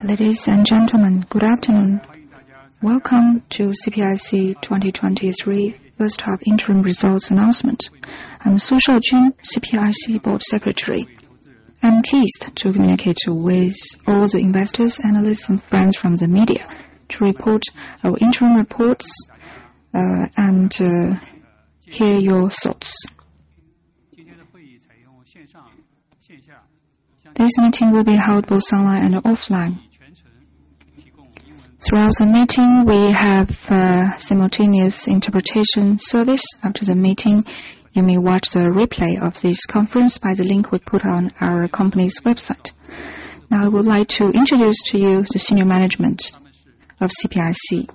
Ladies and gentlemen, good afternoon. Welcome to CPIC 2023 first half interim results announcement. I'm Su Shaojun, CPIC Board Secretary. I'm pleased to communicate with all the investors, analysts, and friends from the media to report our interim reports and to hear your thoughts. This meeting will be held both online and offline. Throughout the meeting, we have simultaneous interpretation service. After the meeting, you may watch the replay of this conference by the link we put on our company's website. Now, I would like to introduce to you the senior management of CPIC.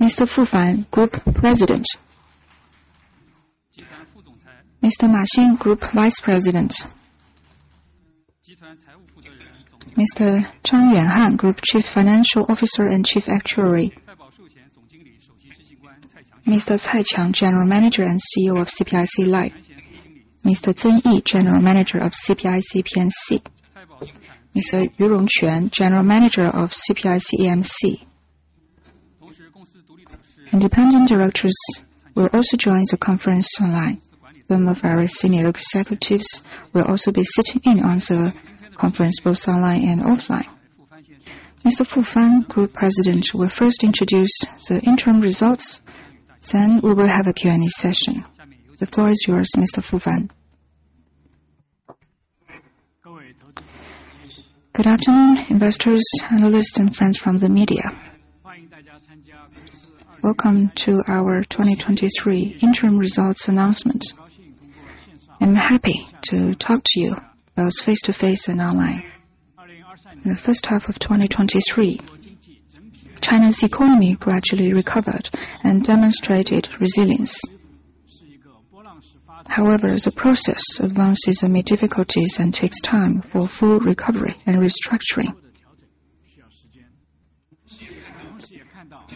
Mr. Fu Fan, Group President. Mr. Ma Xin, Group Vice President. Mr. Zhang Yuanhan, Group Chief Financial Officer and Chief Actuary. Mr. Cai Qiang, General Manager and CEO of CPIC Life. Mr. Zeng Yi, General Manager of CPIC P&C. Mr. Yu Rongquan, General Manager of CPIC AMC. Independent directors will also join the conference online. Some of our senior executives will also be sitting in on the conference, both online and offline. Mr. Fu Fan, Group President, will first introduce the interim results, then we will have a Q&A session. The floor is yours, Mr. Fu Fan. Good afternoon, investors, analysts, and friends from the media. Welcome to our 2023 interim results announcement. I'm happy to talk to you both face-to-face and online. In the first half of 2023, China's economy gradually recovered and demonstrated resilience. However, the process advances amid difficulties and takes time for full recovery and restructuring.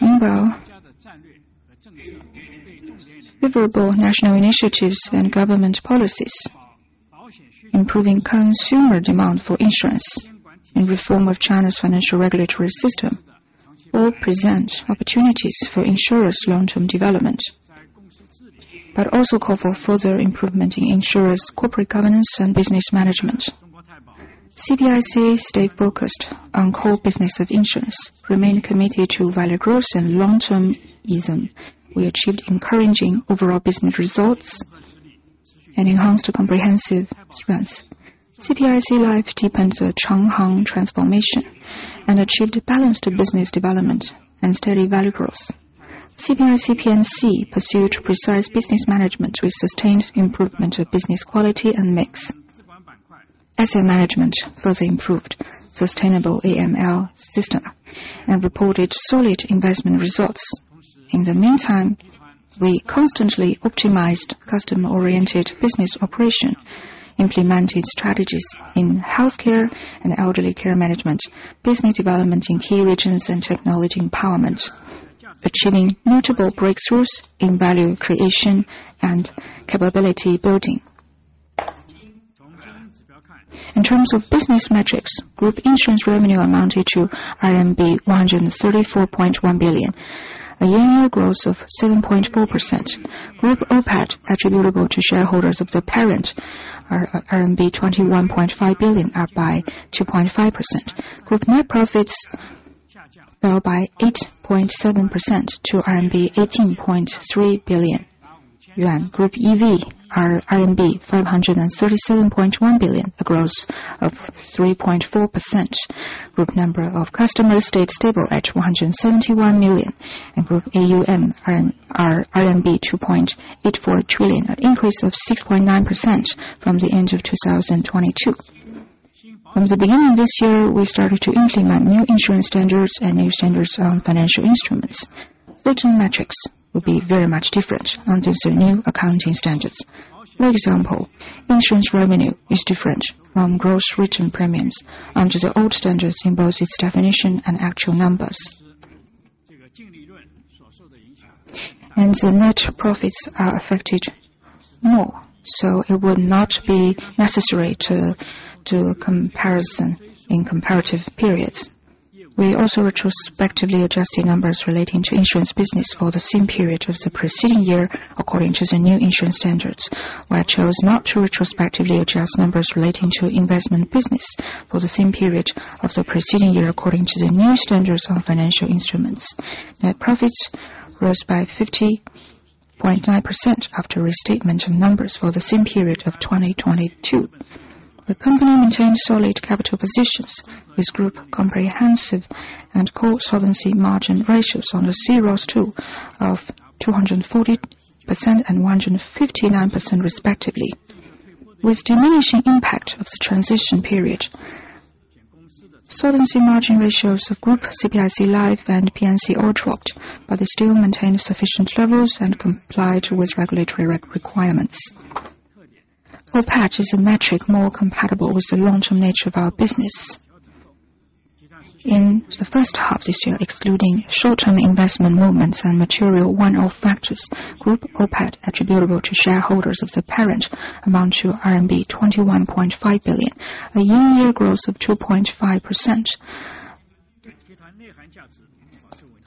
Although favorable national initiatives and government policies, improving consumer demand for insurance and reform of China's financial regulatory system all present opportunities for insurers' long-term development, but also call for further improvement in insurers' corporate governance and business management. CPIC stayed focused on core business of insurance, remained committed to value growth and long-termism. We achieved encouraging overall business results and enhanced comprehensive strengths. CPIC Life deepened the Changhang Transformation and achieved balanced business development and steady value growth. CPIC P&C pursued precise business management with sustained improvement of business quality and mix. Asset management further improved sustainable AUM system and reported solid investment results. In the meantime, we constantly optimized customer-oriented business operation, implementing strategies in healthcare and elderly care management, business development in key regions and technology empowerment, achieving notable breakthroughs in value creation and capability building. In terms of business metrics, group insurance revenue amounted to RMB 134.1 billion, a year-on-year growth of 7.4%. Group OPAT, attributable to shareholders of the parent, are RMB 21.5 billion, up by 2.5%. Group net profits fell by 8.7% to 18.3 billion yuan. Group EV are RMB 537.1 billion, a growth of 3.4%. Group number of customers stayed stable at 171 million, and Group AUM are RMB 2.84 trillion, an increase of 6.9% from the end of 2022. From the beginning of this year, we started to implement new insurance standards and new standards on financial instruments. Certain metrics will be very much different under the new accounting standards. For example, insurance revenue is different from gross written premiums under the old standards, in both its definition and actual numbers. The net profits are affected more, so it would not be necessary to do a comparison in comparative periods. We also retrospectively adjusted numbers relating to insurance business for the same period of the preceding year, according to the new insurance standards. We chose not to retrospectively adjust numbers relating to investment business for the same period of the preceding year, according to the new standards on financial instruments. Net profits rose by 50.9% after restatement of numbers for the same period of 2022. The company maintained solid capital positions, with group comprehensive and core solvency margin ratios on a 2023 of 240% and 159% respectively. With diminishing impact of the transition period, solvency margin ratios of Group CPIC Life and P&C all dropped, but they still maintain sufficient levels and comply towards regulatory requirements. OPAT is a metric more compatible with the long-term nature of our business. In the first half this year, excluding short-term investment movements and material one-off factors, Group OPAT, attributable to shareholders of the parent, amount to RMB 21.5 billion, a year-on-year growth of 2.5%.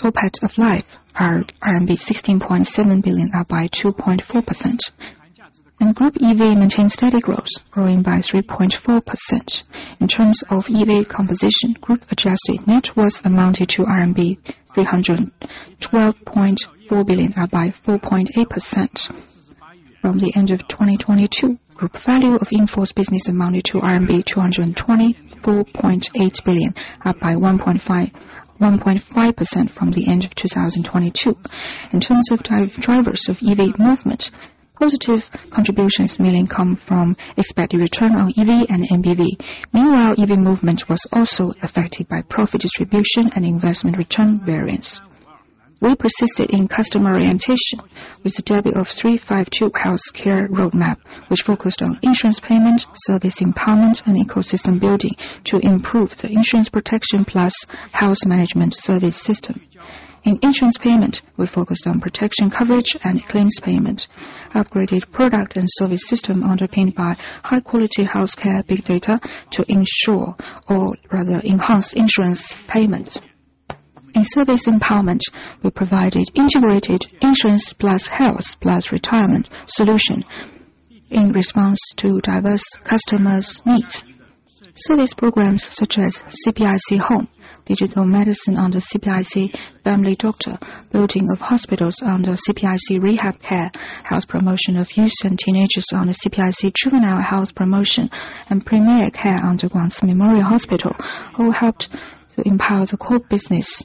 OPAT of Life are RMB 16.7 billion, up by 2.4%. Group EV maintained steady growth, growing by 3.4%. In terms of EV composition, Group adjusted net worth amounted to RMB 312.4 billion, up by 4.8% from the end of 2022. Group value of in-force business amounted to RMB 224.8 billion, up by 1.5, 1.5% from the end of 2022. In terms of drivers of EV movement, positive contributions mainly come from expected return on EV and MPV. Meanwhile, EV movement was also affected by profit distribution and investment return variance. We persisted in customer orientation with the debut of 3-5-2 healthcare roadmap, which focused on insurance payment, service empowerment, and ecosystem building to improve the insurance protection plus health management service system. In insurance payment, we focused on protection coverage and claims payment, upgraded product and service system underpinned by high-quality healthcare big data to ensure or rather enhance insurance payment. In service empowerment, we provided integrated insurance plus health plus retirement solution in response to diverse customers' needs. Service programs such as CPIC Home, digital medicine under CPIC Family Doctor, building of hospitals under CPIC RehabCare, health promotion of youth and teenagers under CPIC Juvenile Health Promotion, and primary care under Guangci Memorial Hospital, all helped to empower the core business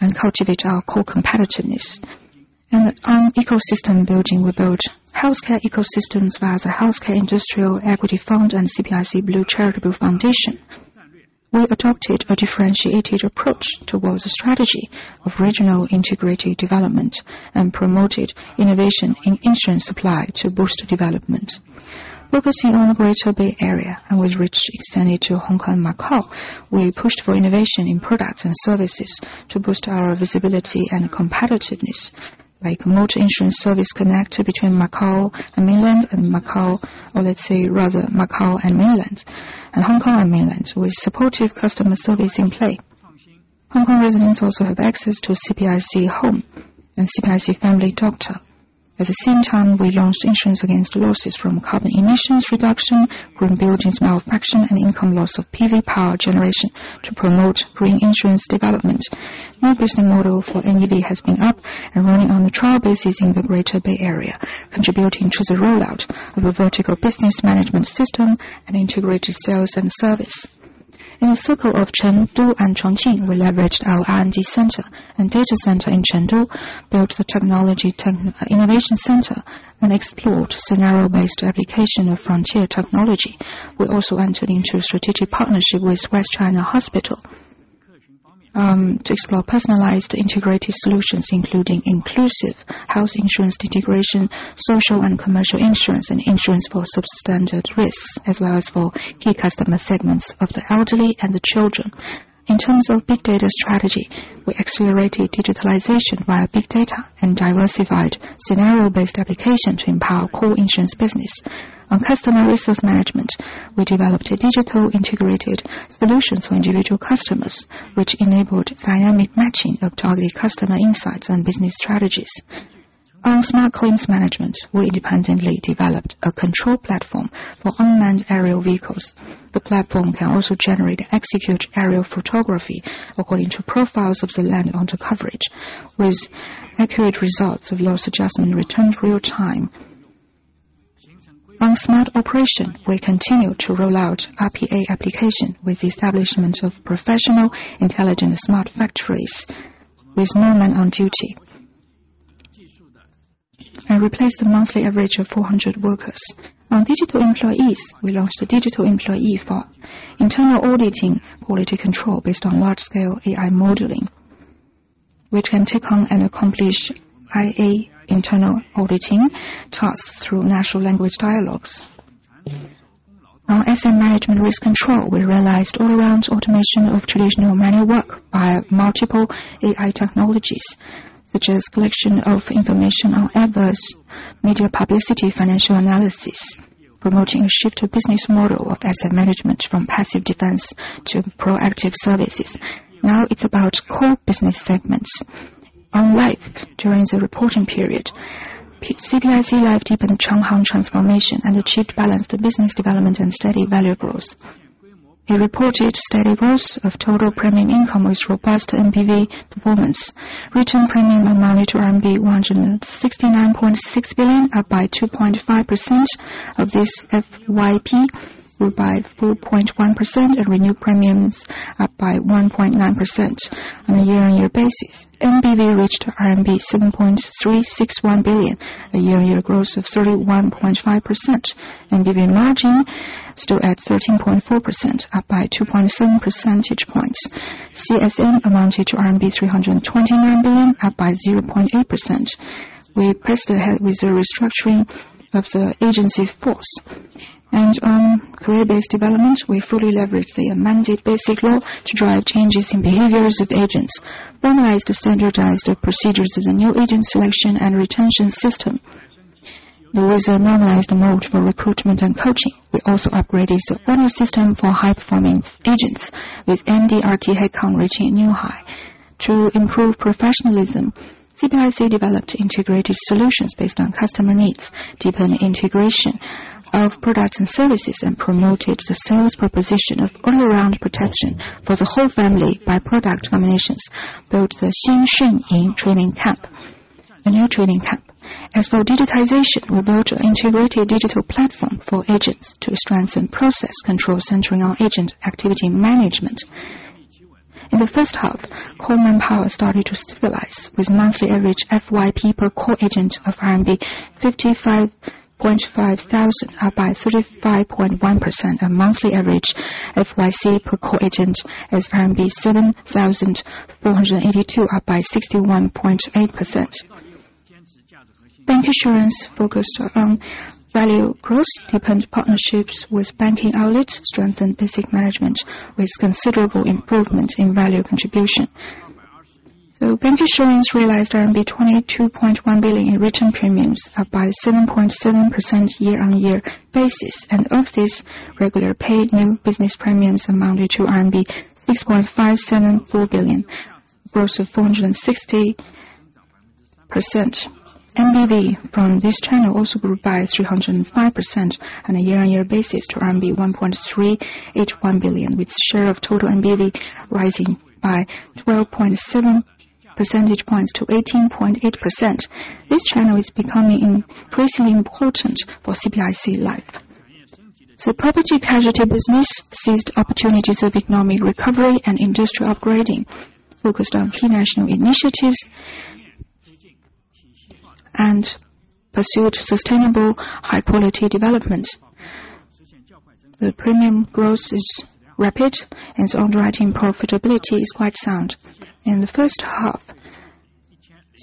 and cultivate our core competitiveness. On ecosystem building, we built healthcare ecosystems via the healthcare industrial equity fund and CPIC Blue Charitable Foundation. We adopted a differentiated approach towards the strategy of regional integrated development and promoted innovation in insurance supply to boost development. Focusing on the Greater Bay Area and our reach extended to Hong Kong and Macau, we pushed for innovation in products and services to boost our visibility and competitiveness, like multi-insurance service connector between Macau and Mainland and Macau, or let's say rather Macau and Mainland, and Hong Kong and Mainland, with supportive customer service in play. Hong Kong residents also have access to CPIC Home and CPIC Family Doctor. At the same time, we launched insurance against losses from carbon emissions reduction, green buildings malfunction, and income loss of PV power generation to promote green insurance development. New business model for NEV has been up and running on a trial basis in the Greater Bay Area, contributing to the rollout of a vertical business management system and integrated sales and service. In the circle of Chengdu and Chongqing, we leveraged our R&D center and data center in Chengdu, built the technology innovation center, and explored scenario-based application of frontier technology. We also entered into a strategic partnership with West China Hospital to explore personalized integrated solutions, including inclusive health insurance integration, social and commercial insurance, and insurance for substandard risks, as well as for key customer segments of the elderly and the children. In terms of big data strategy, we accelerated digitalization via big data and diversified scenario-based application to empower core insurance business. On customer resource management, we developed a digital integrated solutions for individual customers, which enabled dynamic matching of targeted customer insights and business strategies. On smart claims management, we independently developed a control platform for unmanned aerial vehicles. The platform can also generate executive aerial photography according to profiles of the land under coverage, with accurate results of loss adjustment returned real-time. On smart operation, we continue to roll out RPA application with the establishment of professional, intelligent, smart factories, with no man on duty, and replaced a monthly average of 400 workers. On digital employees, we launched a digital employee for internal auditing quality control based on large-scale AI modeling, which can take on and accomplish IA internal auditing tasks through natural language dialogues. On asset management risk control, we realized all-around automation of traditional manual work via multiple AI technologies, such as collection of information on adverse media publicity, financial analysis, promoting a shift to business model of asset management from passive defense to proactive services. Now it's about core business segments. On Life, during the reporting period, CPIC Life deepened Changhang Transformation and achieved balanced business development and steady value growth. It reported steady growth of total premium income with robust MPV performance. Renewed premium amounted to RMB 169.6 billion, up by 2.5%. Of this, FYP grew by 4.1%, and renewed premiums up by 1.9% on a year-on-year basis. MPV reached RMB 7.361 billion, a year-on-year growth of 31.5%. MPV margin stood at 13.4%, up by 2.7 percentage points. CSM amounted to RMB 329 billion, up by 0.8%. We pressed ahead with the restructuring of the agency force. On career-based development, we fully leveraged the amended basic law to drive changes in behaviors of agents, normalized the standardized procedures of the new agent selection and retention system. There is a normalized mode for recruitment and coaching. We also upgraded the owner system for high-performing agents, with MDRT headcount reaching a new high. To improve professionalism, CPIC developed integrated solutions based on customer needs, deepening integration of products and services, and promoted the sales proposition of all-around protection for the whole family by product combinations, built the Xin Xun Ying training camp, a new training camp. As for digitization, we built an integrated digital platform for agents to strengthen process control centering on agent activity management. In the first half, core manpower started to stabilize, with monthly average FYP per core agent of RMB 55.5 thousand, up by 35.1%. A monthly average FYC per core agent is RMB 7,482, up by 61.8%. Bank insurance focused on value growth, deepened partnerships with banking outlets, strengthened basic management with considerable improvement in value contribution. So bank insurance realized 22.1 billion in return premiums, up by 7.7% year-on-year basis, and of these, regular paid new business premiums amounted to RMB 6.574 billion, growth of 460%. MBV from this channel also grew by 305% on a year-on-year basis to RMB 1.381 billion, with share of total MBV rising by 12.7 percentage points to 18.8%. This channel is becoming increasingly important for CPIC Life. The property casualty business seized opportunities of economic recovery and industry upgrading, focused on key national initiatives, and pursued sustainable, high-quality development. The premium growth is rapid, and the underwriting profitability is quite sound. In the first half,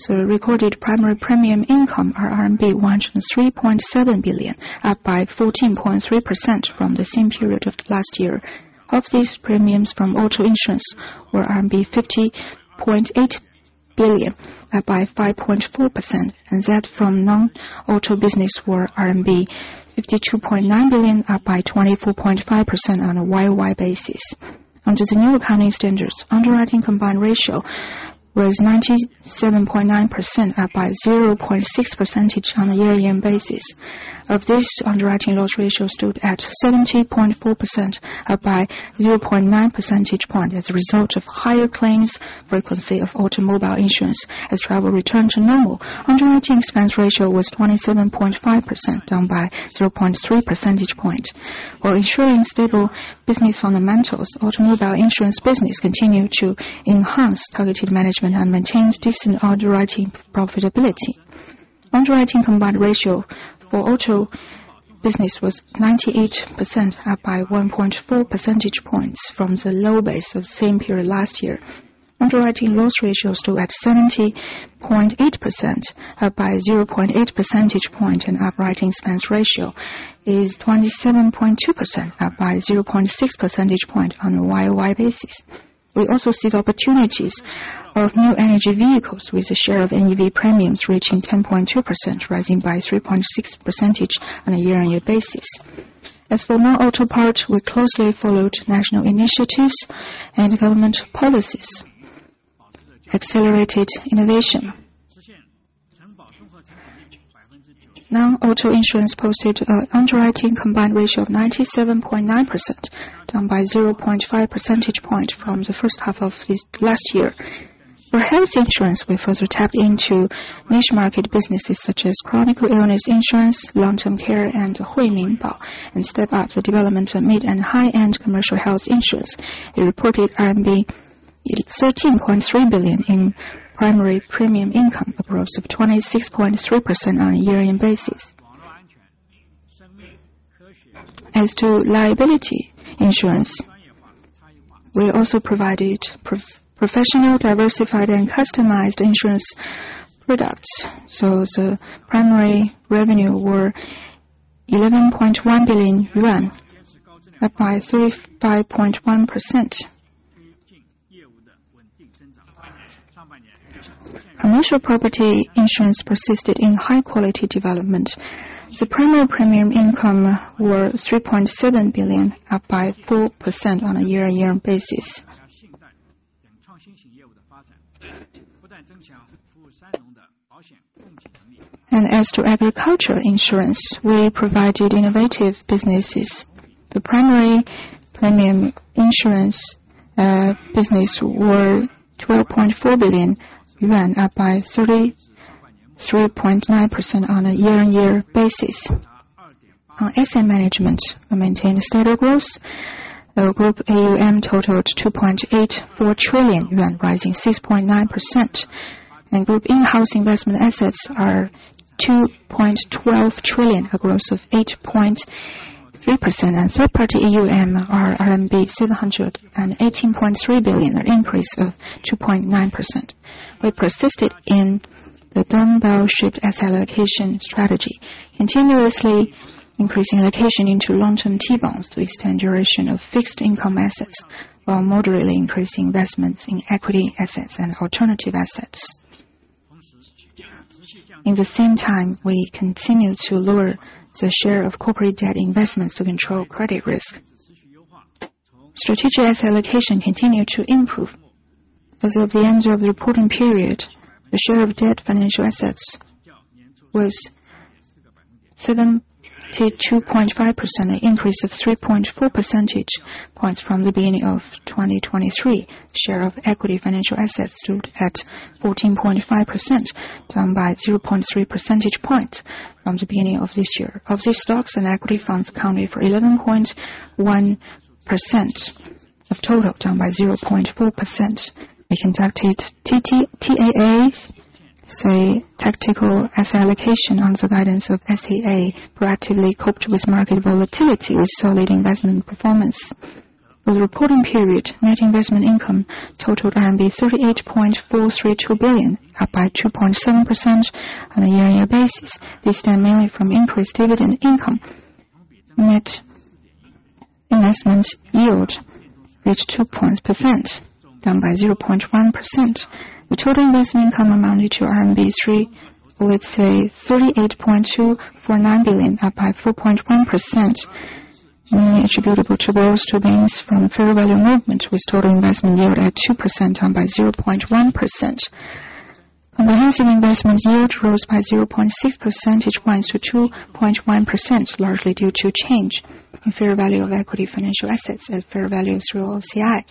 recorded primary premium income are RMB 103.7 billion, up by 14.3% from the same period of last year. Of these, premiums from auto insurance were RMB 50.8 billion, up by 5.4%, and that from non-auto business were RMB 52.9 billion, up by 24.5% on a Y-O-Y basis. Under the new accounting standards, underwriting combined ratio was 97.9%, up by 0.6 percentage point on a year-on-year basis. Of this, underwriting loss ratio stood at 70.4%, up by 0.9 percentage point as a result of higher claims frequency of automobile insurance. As travel returned to normal, underwriting expense ratio was 27.5%, down by 0.3 percentage point. While ensuring stable business fundamentals, automobile insurance business continued to enhance targeted management and maintained decent underwriting profitability. Underwriting combined ratio for auto business was 98%, up by 1.4 percentage points from the low base of the same period last year. Underwriting loss ratio stood at 70.8%, up by 0.8 percentage point, and underwriting expense ratio is 27.2%, up by 0.6 percentage point on a Y-O-Y basis. We also seized opportunities of new energy vehicles, with a share of NEV premiums reaching 10.2%, rising by 3.6 percentage on a year-on-year basis. As for non-auto part, we closely followed national initiatives and government policies, accelerated innovation. Non-auto insurance posted an underwriting combined ratio of 97.9%, down by 0.5 percentage point from the first half of this last year. For health insurance, we further tapped into niche market businesses such as chronic illness insurance, long-term care, and Huimin Bao, and step up the development of mid and high-end commercial health insurance. We reported RMB 13.3 billion in primary premium income, a growth of 26.3% on a year-over-year basis. As to liability insurance, we also provided professional, diversified, and customized insurance products. So the primary revenue were 11.1 billion yuan, up by 35.1%. Commercial property insurance persisted in high-quality development. The primary premium income were 3.7 billion, up by 4% on a year-over-year basis. And as to agriculture insurance, we provided innovative businesses. The primary premium insurance business were 12.4 billion yuan, up by 33.9% on a year-over-year basis. On asset management, we maintained steady growth. The group AUM totaled 2.84 trillion yuan, rising 6.9%, and group in-house investment assets are 2.12 trillion, a growth of 8.3%, and third-party AUM are RMB 718.3 billion, an increase of 2.9%. We persisted in the dumbbell-shaped asset allocation strategy, continuously increasing allocation into long-term T-bills to extend duration of fixed income assets, while moderately increasing investments in equity assets and alternative assets. In the same time, we continued to lower the share of corporate debt investments to control credit risk.... Strategic asset allocation continued to improve. As of the end of the reporting period, the share of debt financial assets was 72.5%, an increase of 3.4 percentage points from the beginning of 2023. Share of equity financial assets stood at 14.5%, down by 0.3 percentage points from the beginning of this year. Of these, stocks and equity funds accounted for 11.1% of total, down by 0.4%. We conducted TAA, tactical asset allocation under the guidance of SAA, proactively coped with market volatility with solid investment performance. For the reporting period, net investment income totaled RMB 38.432 billion, up by 2.7% on a year-on-year basis. This stemmed mainly from increased dividend income. Net investment yield reached 2.0%, down by 0.1%. The total investment income amounted to RMB 3... Let's say, 38.249 billion, up by 4.1%, mainly attributable to gains from fair value movement, with total investment yield at 2%, down by 0.1%. Comprehensive investment yield rose by 0.6 percentage points to 2.1%, largely due to change in fair value of equity financial assets at fair value through OCI.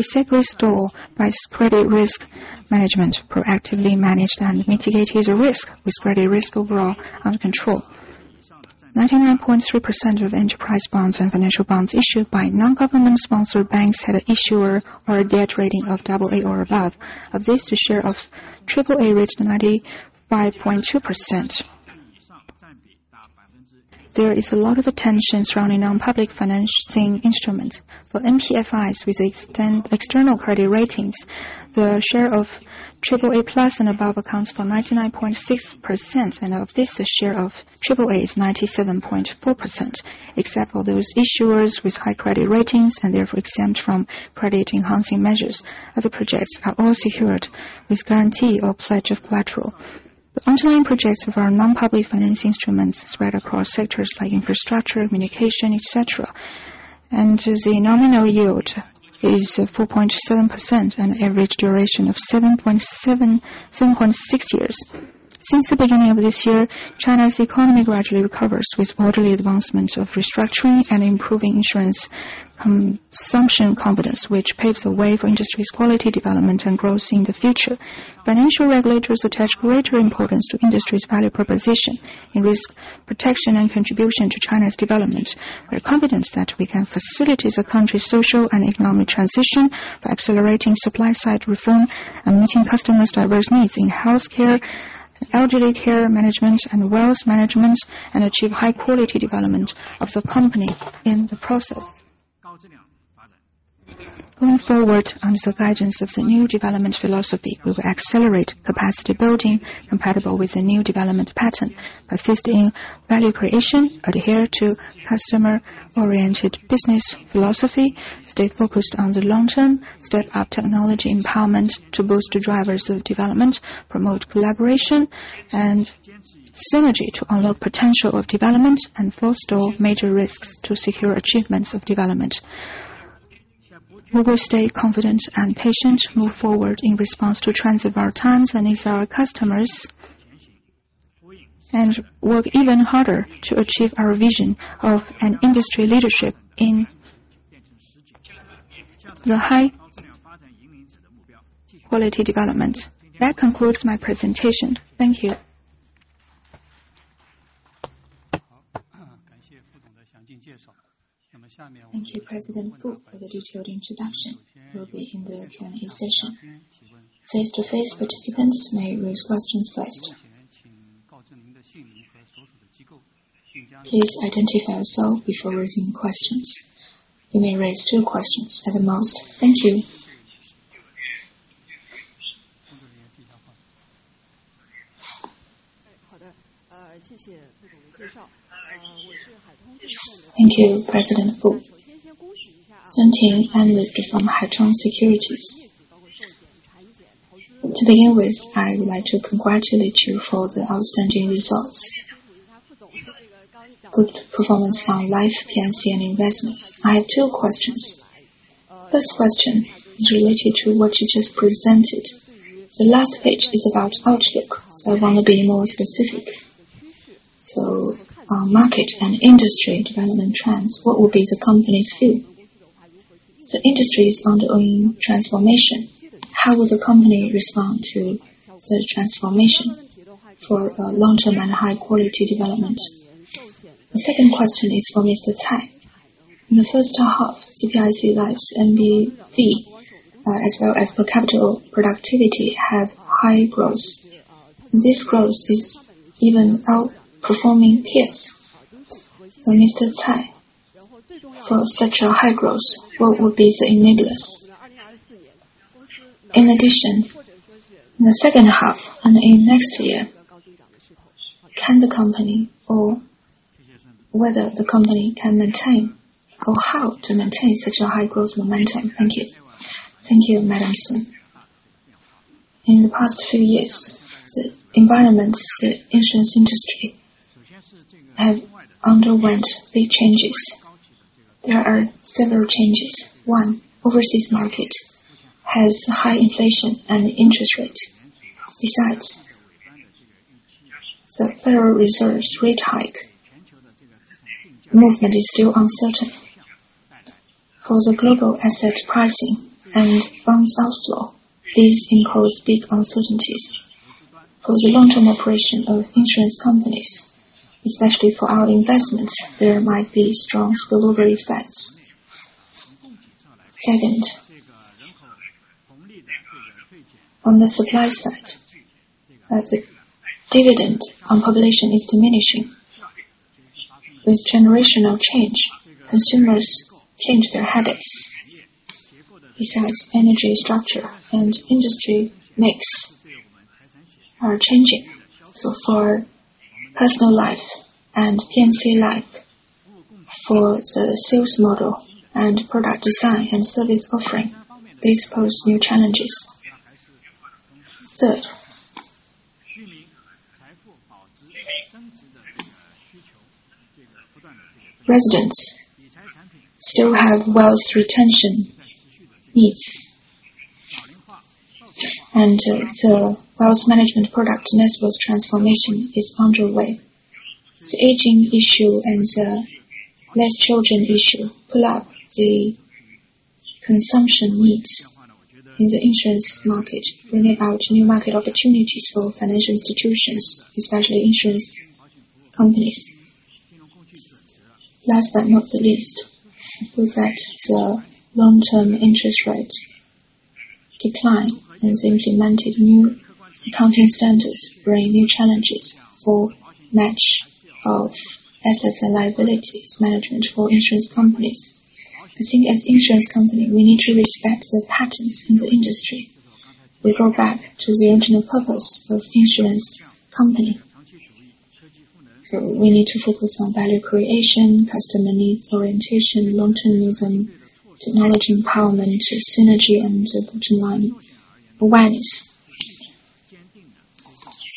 We safely store by credit risk management, proactively managed and mitigated the risk, with credit risk overall under control. 99.3% of enterprise bonds and financial bonds issued by non-government-sponsored banks had an issuer or a debt rating of double-A or above. Of this, the share of triple-A reached 95.2%. There is a lot of attention surrounding non-public financing instruments. For NPFIs with external credit ratings, the share of AAA+ and above accounts for 99.6%, and of this, the share of AAA is 97.4%, except for those issuers with high credit ratings and therefore exempt from credit-enhancing measures, other projects are all secured with guarantee or pledge of collateral. The underlying projects of our non-public financing instruments spread across sectors like infrastructure, communication, et cetera. The nominal yield is 4.7%, an average duration of 7.6 years. Since the beginning of this year, China's economy gradually recovers, with orderly advancement of restructuring and improving insurance consumption confidence, which paves the way for industry's quality development and growth in the future. Financial regulators attach greater importance to industry's value proposition in risk protection and contribution to China's development. We are confident that we can facilitate the country's social and economic transition by accelerating supply-side reform and meeting customers' diverse needs in healthcare, elderly care management, and wealth management, and achieve high quality development of the company in the process. Going forward, under the guidance of the new development philosophy, we will accelerate capacity building compatible with the new development pattern, persist in value creation, adhere to customer-oriented business philosophy, stay focused on the long term, step up technology empowerment to boost the drivers of development, promote collaboration and synergy to unlock potential of development and forestall major risks to secure achievements of development. We will stay confident and patient, move forward in response to trends of our times and with our customers, and work even harder to achieve our vision of an industry leadership in the high quality development. That concludes my presentation. Thank you. Thank you, President Fu, for the detailed introduction. We'll be in the Q&A session. Face-to-face participants may raise questions first. Please identify yourself before raising questions. You may raise two questions at the most. Thank you. Thank you, President Fu. Sun Ting, analyst from Haitong Securities. To begin with, I would like to congratulate you for the outstanding results. Good performance on life, P&C, and investments. I have two questions. First question is related to what you just presented. The last page is about outlook, so I want to be more specific. So, market and industry development trends, what will be the company's view? The industry is undergoing transformation. How will the company respond to the transformation for long-term and high-quality development? The second question is for Mr. Cai. In the first half, CPIC Life's NBV, as well as per capita productivity, had high growth. This growth is even outperforming peers. So Mr. Cai, for such a high growth, what would be the enablers? In addition, in the second half and in next year, can the company or whether the company can maintain or how to maintain such a high growth momentum? Thank you. Thank you, Madam Sun.... In the past few years, the environment, the insurance industry, have underwent big changes. There are several changes. One, overseas market has high inflation and interest rate. Besides, the Federal Reserve's rate hike movement is still uncertain. For the global asset pricing and funds outflow, these impose big uncertainties. For the long-term operation of insurance companies, especially for our investments, there might be strong spillover effects. Second, on the supply side, the dividend on population is diminishing. With generational change, consumers change their habits. Besides, energy structure and industry mix are changing. So for personal life and P&C life, for the sales model, and product design, and service offering, these pose new challenges. Third, residents still have wealth retention needs, and, the wealth management product mix transformation is underway. The aging issue and the less children issue pull up the consumption needs in the insurance market, bringing out new market opportunities for financial institutions, especially insurance companies. Last but not the least, with that, the long-term interest rate decline and the implemented new accounting standards bring new challenges for match of assets and liabilities management for insurance companies. I think as insurance company, we need to respect the patterns in the industry. We go back to the original purpose of insurance company. So we need to focus on value creation, customer needs orientation, long-termism, technology empowerment, synergy, and the bottom line awareness.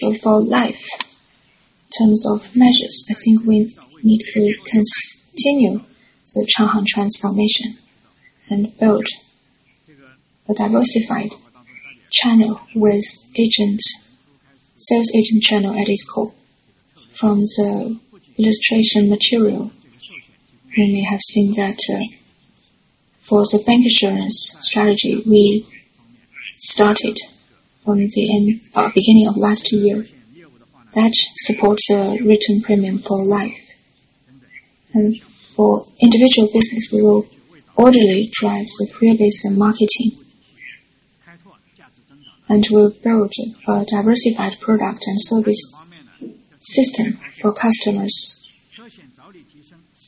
So for life, in terms of measures, I think we need to continue the Changhang Transformation and build a diversified channel with agent... Sales agent channel, that is called. From the illustration material, we may have seen that, for the bank insurance strategy, we started on the end, beginning of last year. That supports a written premium for life. And for individual business, we will orderly drive the premium and marketing, and we'll build a diversified product and service system for customers.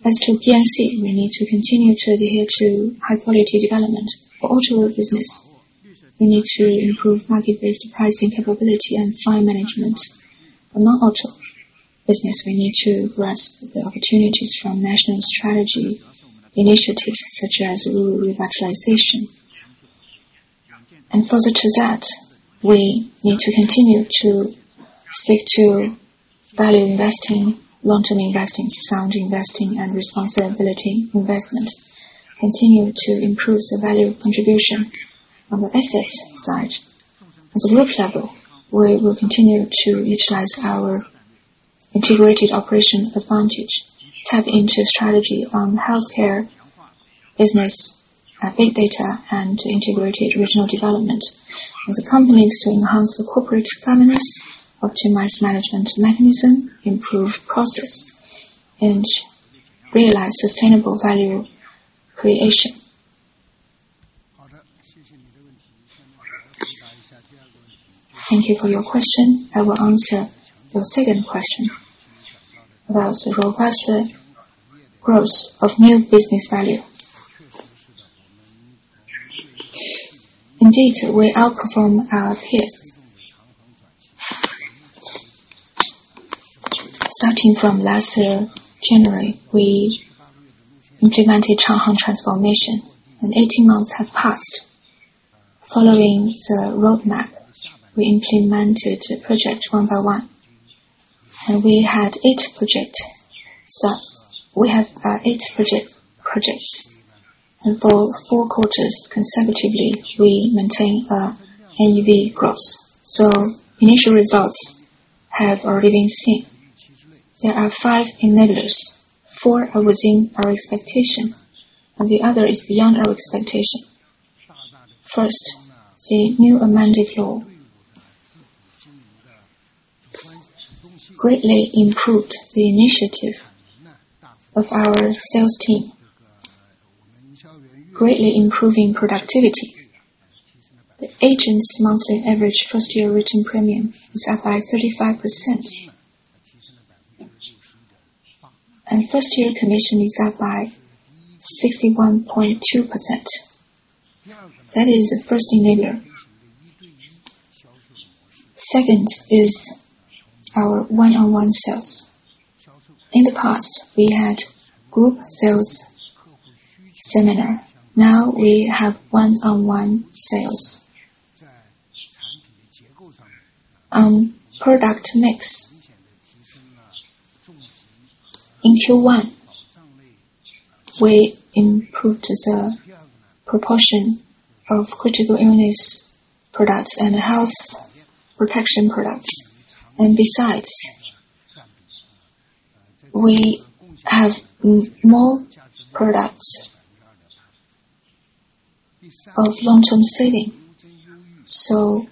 As to P&C, we need to continue to adhere to high-quality development. For auto business, we need to improve market-based pricing capability and fine management. For non-auto business, we need to grasp the opportunities from national strategy initiatives, such as rural revitalization. And further to that, we need to continue to stick to value investing, long-term investing, sound investing, and responsible investment. Continue to improve the value contribution on the assets side. At the group level, we will continue to utilize our integrated operation advantage, tap into strategy on healthcare business, big data, and integrated regional development. As a company, is to enhance the corporate governance, optimize management mechanism, improve process, and realize sustainable value creation. Thank you for your question. I will answer your second question about the robust growth of new business value. Indeed, we outperform our peers. Starting from last year, January, we implemented Changhang Transformation, and 18 months have passed. Following the roadmap, we implemented the project one by one, and we had eight projects. So we have eight projects, and for four quarters consecutively, we maintain NBV growth. So initial results have already been seen. There are five enablers. Four are within our expectation, and the other is beyond our expectation. First, the new amended law greatly improved the initiative of our sales team, greatly improving productivity. The agents' monthly average first-year written premium is up by 35%. And first-year commission is up by 61.2%. That is the first enabler. Second is our one-on-one sales. In the past, we had group sales similar. Now we have one-on-one sales. On product mix, in Q1, we improved the proportion of critical illness products and health protection products. And besides, we have more products of long-term saving. So,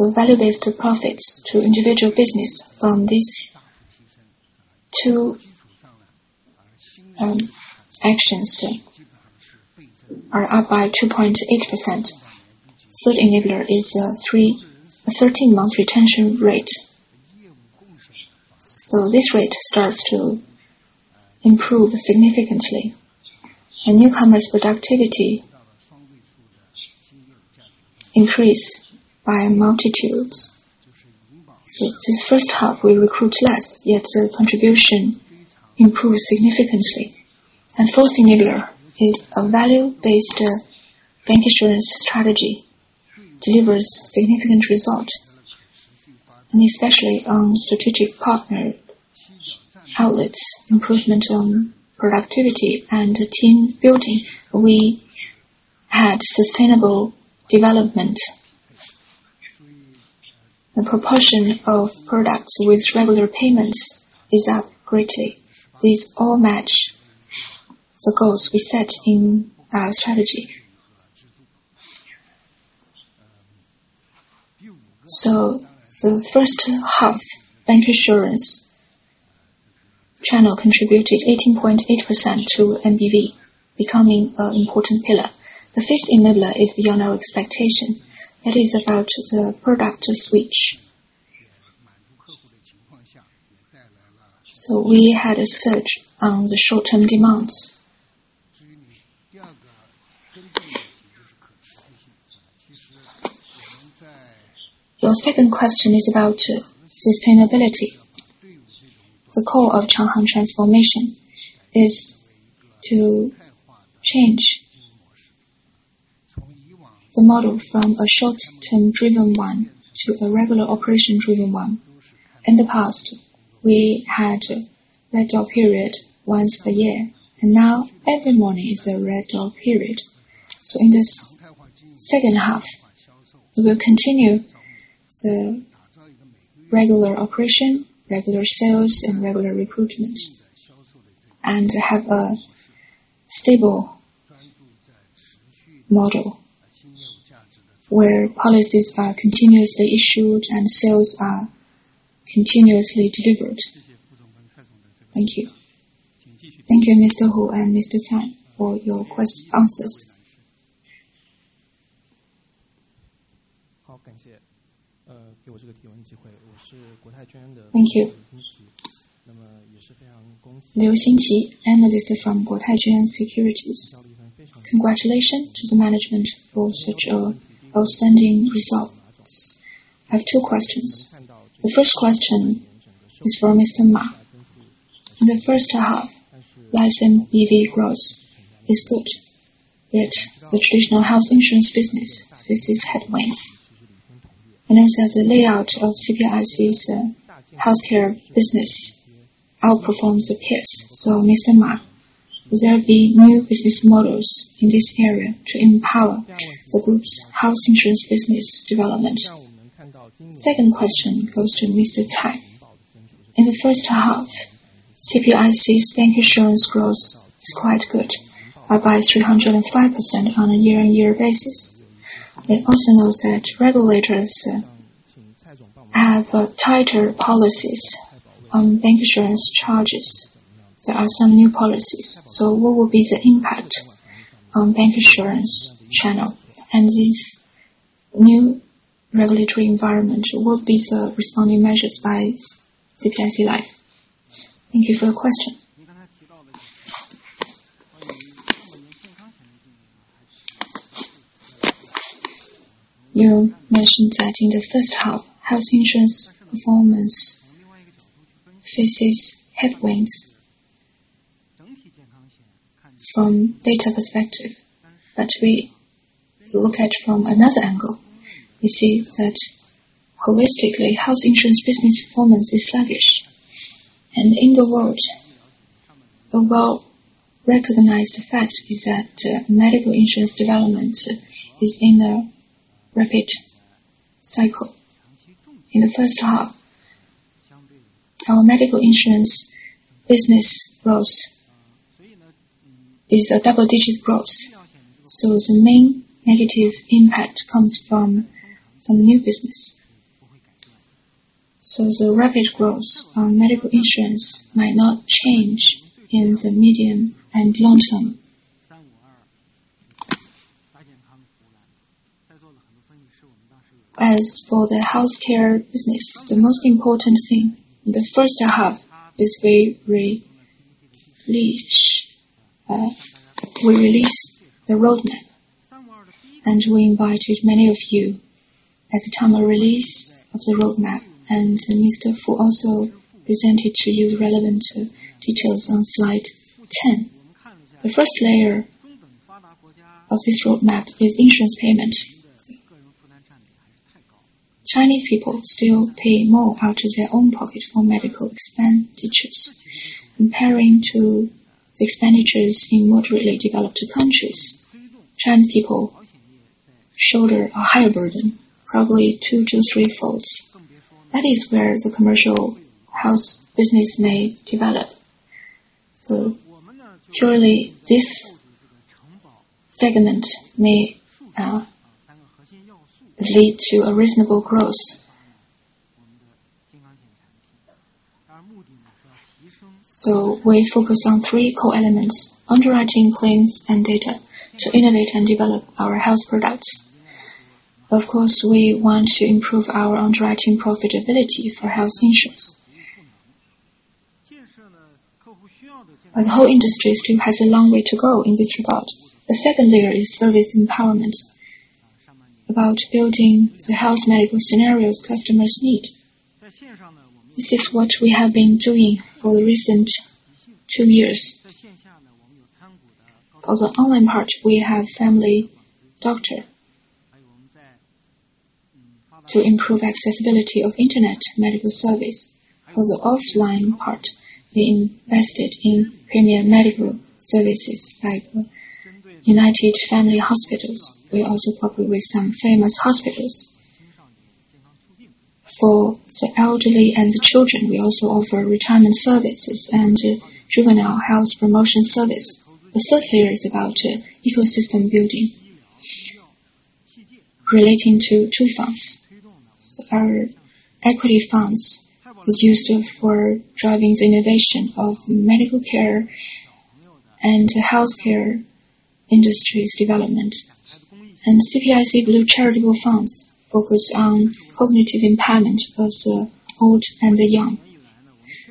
the value-based profits to individual business from these two actions are up by 2.8%. Third enabler is the 13-month retention rate. So this rate starts to improve significantly, and newcomers productivity increase by multitudes. So this first half, we recruit less, yet the contribution improves significantly. Fourth enabler is a value-based bank insurance strategy delivers significant result, and especially on strategic partner outlets, improvement on productivity and team building. We had sustainable development. The proportion of products with regular payments is up greatly. These all match the goals we set in our strategy. So the first half, bank insurance channel contributed 18.8% to MBV, becoming an important pillar. The fifth enabler is beyond our expectation. That is about the product switch. So we had a search on the short-term demands. Your second question is about sustainability. The core of Changhang Transformation is to change the model from a short-term driven one to a regular operation driven one. In the past, we had red door period once a year, and now every morning is a red door period. So in this second half, we will continue the regular operation, regular sales, and regular recruitment, and have a stable model where policies are continuously issued and sales are continuously delivered. Thank you. Thank you, Mr. Hu and Mr. Tang, for your questions and answers. Thank you. Liu Xinqi, analyst from Guotai Junan Securities. Congratulations to the management for such outstanding results. I have two questions. The first question is for Mr. Ma. In the first half, life and EV growth is good, yet the traditional health insurance business faces headwinds. I notice that the layout of CPIC's healthcare business outperforms the peers. So Mr. Ma, will there be new business models in this area to empower the group's health insurance business development? Second question goes to Mr. Tang. In the first half, CPIC's bank insurance growth is quite good, up by 305% on a year-on-year basis. We also know that regulators have tighter policies on bank insurance charges. There are some new policies. So what will be the impact on bank insurance channel, and this new regulatory environment, what will be the responding measures by CPIC Life? Thank you for your question. You mentioned that in the first half, health insurance performance faces headwinds from data perspective. But we look at from another angle, we see that holistically, health insurance business performance is sluggish. And in the world, a well-recognized fact is that medical insurance development is in a rapid cycle. In the first half, our medical insurance business growth is a double-digit growth, so the main negative impact comes from some new business. So the rapid growth on medical insurance might not change in the medium and long term. As for the healthcare business, the most important thing in the first half is we release the roadmap. We invited many of you at the time of release of the roadmap, and Mr. Fu also presented to you relevant details on slide 10. The first layer of this roadmap is insurance payment. Chinese people still pay more out of their own pocket for medical expenditures. Comparing to the expenditures in moderately developed countries, Chinese people shoulder a higher burden, probably 2-3 folds. That is where the commercial health business may develop. Surely, this segment may lead to a reasonable growth. We focus on three core elements: underwriting, claims, and data, to innovate and develop our health products. Of course, we want to improve our underwriting profitability for health insurance. Our whole industry still has a long way to go in this regard. The second layer is service empowerment, about building the health medical scenarios customers need. This is what we have been doing for the recent two years. For the online part, we have family doctor to improve accessibility of internet medical service. For the offline part, we invested in premium medical services, like United Family Hospitals. We also partner with some famous hospitals. For the elderly and the children, we also offer retirement services and juvenile health promotion service. The third layer is about ecosystem building, relating to two funds. Our equity funds is used for driving the innovation of medical care and healthcare industry's development. And CPIC Blue Charitable Funds focus on cognitive empowerment of the old and the young.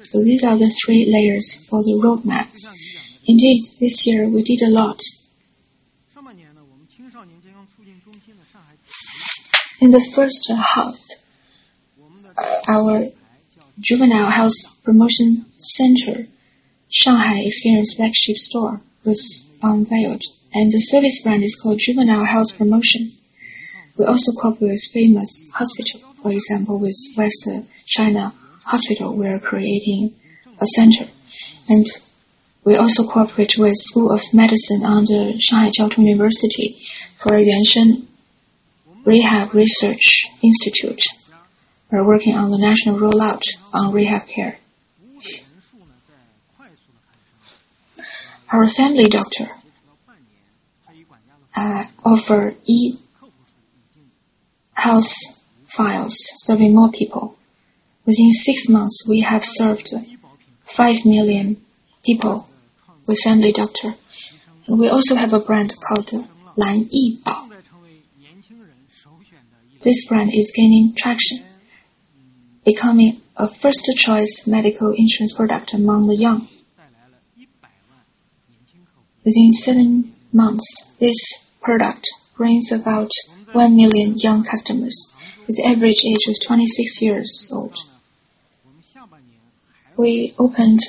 So these are the three layers for the roadmap. Indeed, this year, we did a lot. In the first half, our Juvenile Health Promotion Center, Shanghai Experience Flagship Store, was unveiled, and the service brand is called Juvenile Health Promotion. We also cooperate with famous hospital, for example, with West China Hospital, we are creating a center. And we also cooperate with School of Medicine under Shanghai Jiao Tong University for Yuanshen Rehab Research Institute. We are working on the national rollout on rehab care. Our family doctor offer e-health files serving more people. Within 6 months, we have served five million people with Family Doctor. We also have a brand called Lanyi Bao. This brand is gaining traction, becoming a first-choice medical insurance product among the young. Within seven months, this product brings about 1 million young customers, with average age of 26 years old. We opened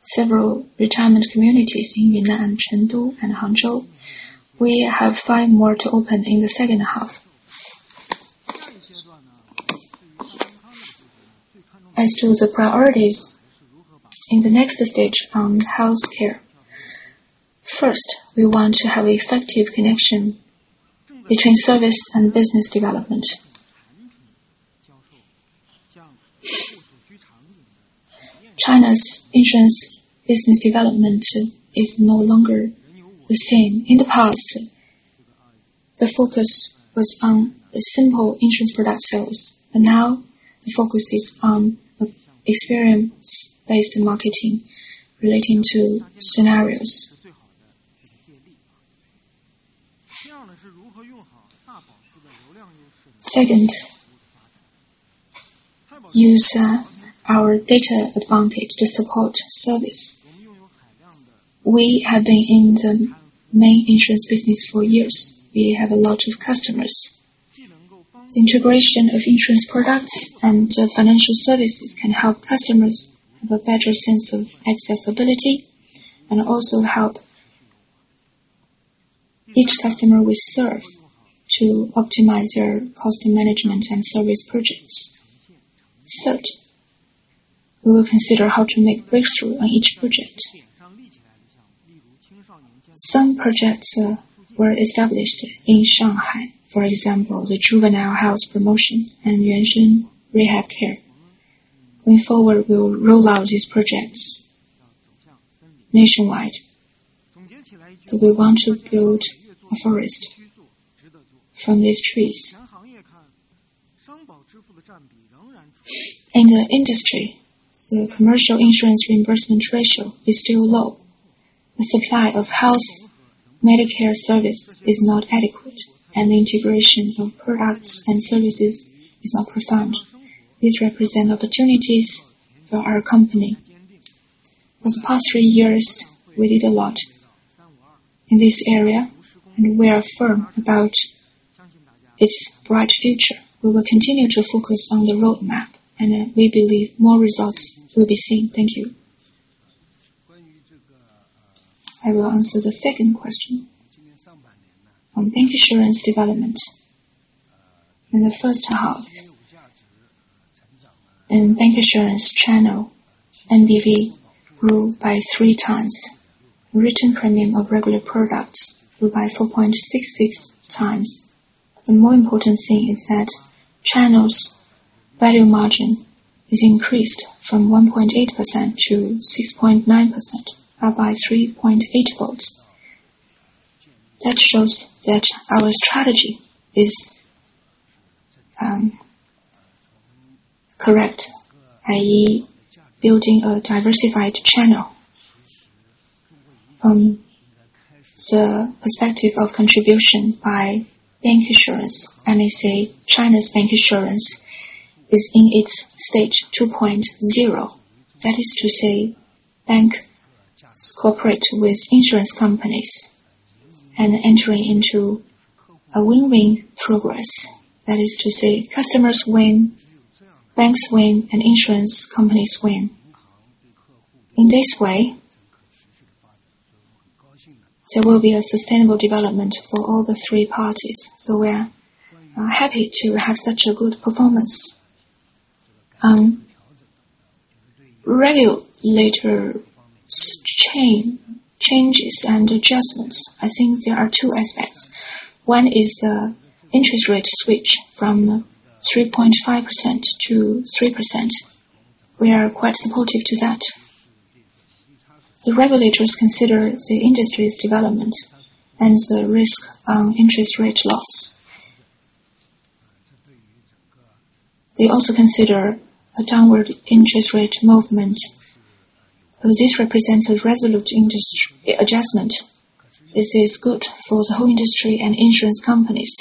several retirement communities in Yunnan, Chengdu, and Hangzhou. We have five more to open in the second half. As to the priorities in the next stage on healthcare. First, we want to have effective connection between service and business development. China's insurance business development is no longer the same. In the past, the focus was on the simple insurance product sales, but now the focus is on experience-based marketing relating to scenarios. Second, use our data advantage to support service. We have been in the main insurance business for years. We have a lot of customers. Integration of insurance products and financial services can help customers have a better sense of accessibility, and also help each customer we serve to optimize their cost management and service projects. Third, we will consider how to make breakthrough on each project. Some projects were established in Shanghai, for example, the Juvenile Health Promotion and Yuanshen Rehab Care. Moving forward, we will roll out these projects nationwide. Do we want to build a forest from these trees? In the industry, the commercial insurance reimbursement ratio is still low. The supply of healthcare service is not adequate, and the integration of products and services is not profound. These represent opportunities for our company... Over the past three years, we did a lot in this area, and we are firm about its bright future. We will continue to focus on the roadmap, and we believe more results will be seen. Thank you. I will answer the second question. On bank insurance development. In the first half, in bank insurance channel, NBV grew by 3x. Written premium of regular products grew by 4.66x. The more important thing is that channels value margin is increased from 1.8% to 6.9%, up by 3.8 points. That shows that our strategy is correct, i.e., building a diversified channel. From the perspective of contribution by bank insurance, and they say China's bank insurance is in its stage 2.0. That is to say, banks cooperate with insurance companies and entering into a win-win process. That is to say, customers win, banks win, and insurance companies win. In this way, there will be a sustainable development for all three parties. So we're happy to have such a good performance. Regulatory changes and adjustments, I think there are two aspects. One is the interest rate switch from 3.5% to 3%. We are quite supportive to that. The regulators consider the industry's development and the risk on interest rate loss. They also consider a downward interest rate movement. This represents a resolute industry adjustment. This is good for the whole industry and insurance companies.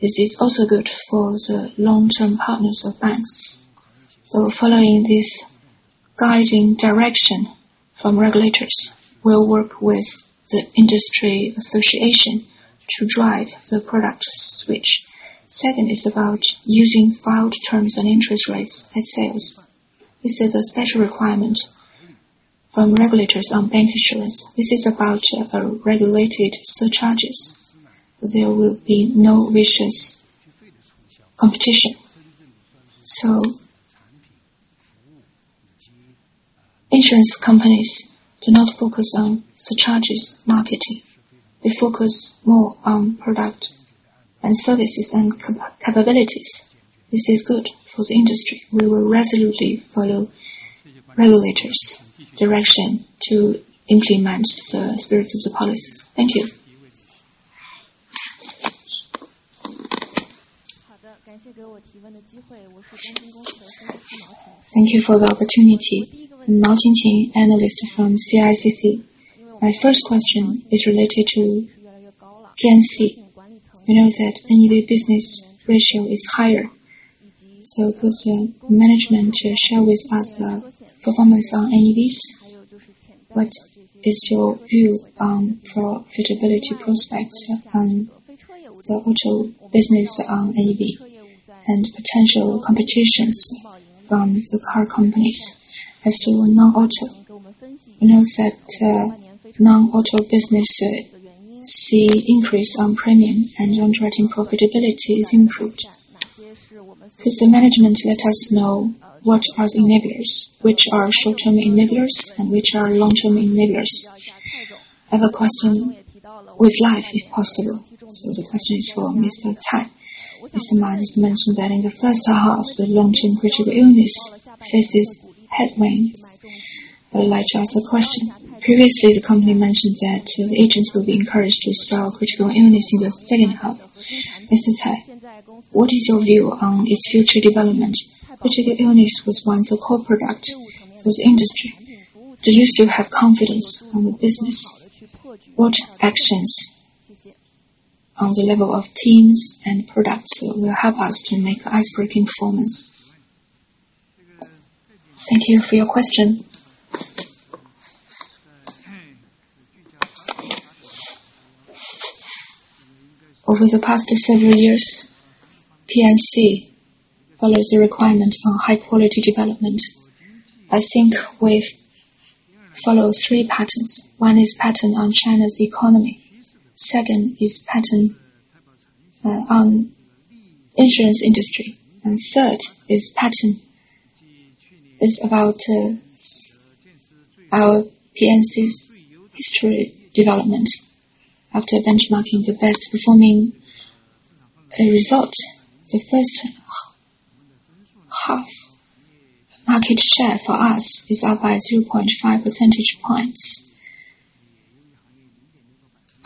This is also good for the long-term partners of banks. So following this guiding direction from regulators, we'll work with the industry association to drive the product switch. Second is about using filed terms and interest rates at sales. This is a special requirement from regulators on bank insurance. This is about regulated surcharges. There will be no vicious competition. So insurance companies do not focus on surcharges marketing. They focus more on product and services and capabilities. This is good for the industry. We will resolutely follow regulators' direction to implement the spirits of the policy. Thank you. Thank you for the opportunity. I'm Mao Qingqing, analyst from CICC. My first question is related to P&C. We know that NEV business ratio is higher, so could the management share with us the performance on NEVs? What is your view on profitability prospects on the auto business on NEV and potential competitions from the car companies as to non-auto? We know that, non-auto business see increase on premium and underwriting profitability is improved. Could the management let us know what are the enablers, which are short-term enablers and which are long-term enablers? I have a question with Life, if possible. So the question is for Mr. Cai. Mr. Ma has mentioned that in the first half, the long-term critical illness faces headwinds. I would like to ask a question. Previously, the company mentioned that the agents will be encouraged to sell critical illness in the second half. Mr. Cai, what is your view on its future development? Critical illness was once a core product for the industry. Do you still have confidence on the business? What actions on the level of teams and products will help us to make icebreaking performance? Thank you for your question. Over the past several years, P&C follows the requirement on high-quality development. I think we've followed three patterns. One is pattern on China's economy. Second is pattern on insurance industry, and third is pattern is about our P&C's history development. After benchmarking, the best performing result, the first half market share for us is up by 2.5 percentage points.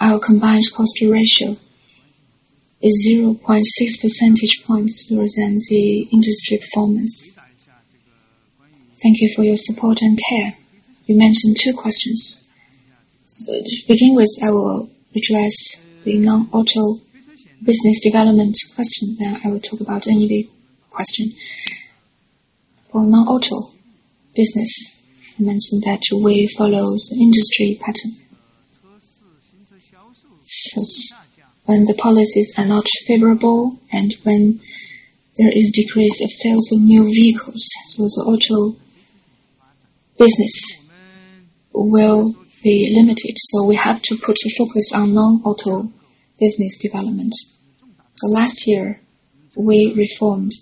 Our combined ratio is 0.6 percentage points lower than the industry performance. Thank you for your support and care. You mentioned two questions. So to begin with, I will address the non-auto business development question, then I will talk about any big question. For non-auto business, I mentioned that we follow the industry pattern. Because when the policies are not favorable, and when there is decrease of sales of new vehicles, so the auto business will be limited. We have to put the focus on non-auto business development. Last year, we reformed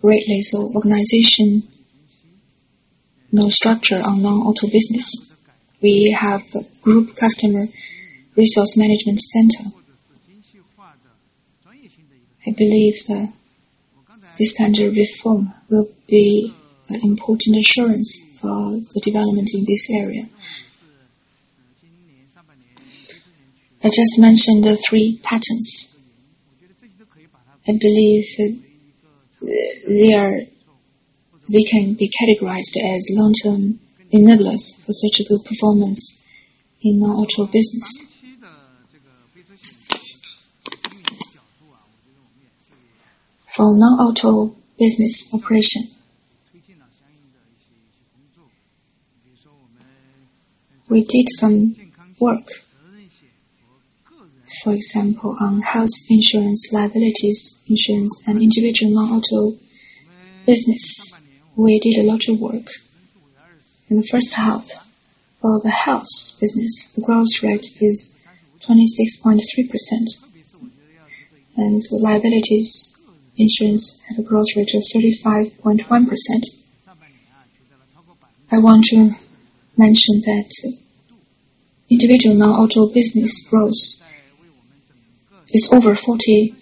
greatly the organization, new structure on non-auto business. We have a group customer resource management center. I believe that this kind of reform will be an important assurance for the development in this area. I just mentioned the three patterns. I believe that they are, they can be categorized as long-term enablers for such a good performance in non-auto business. For non-auto business operation, we did some work, for example, on health insurance, liability insurance, and individual non-auto business. We did a lot of work. In the first half, for the health business, the growth rate is 26.3%, and the liabilities insurance had a growth rate of 35.1%. I want to mention that individual non-auto business growth is over 40%.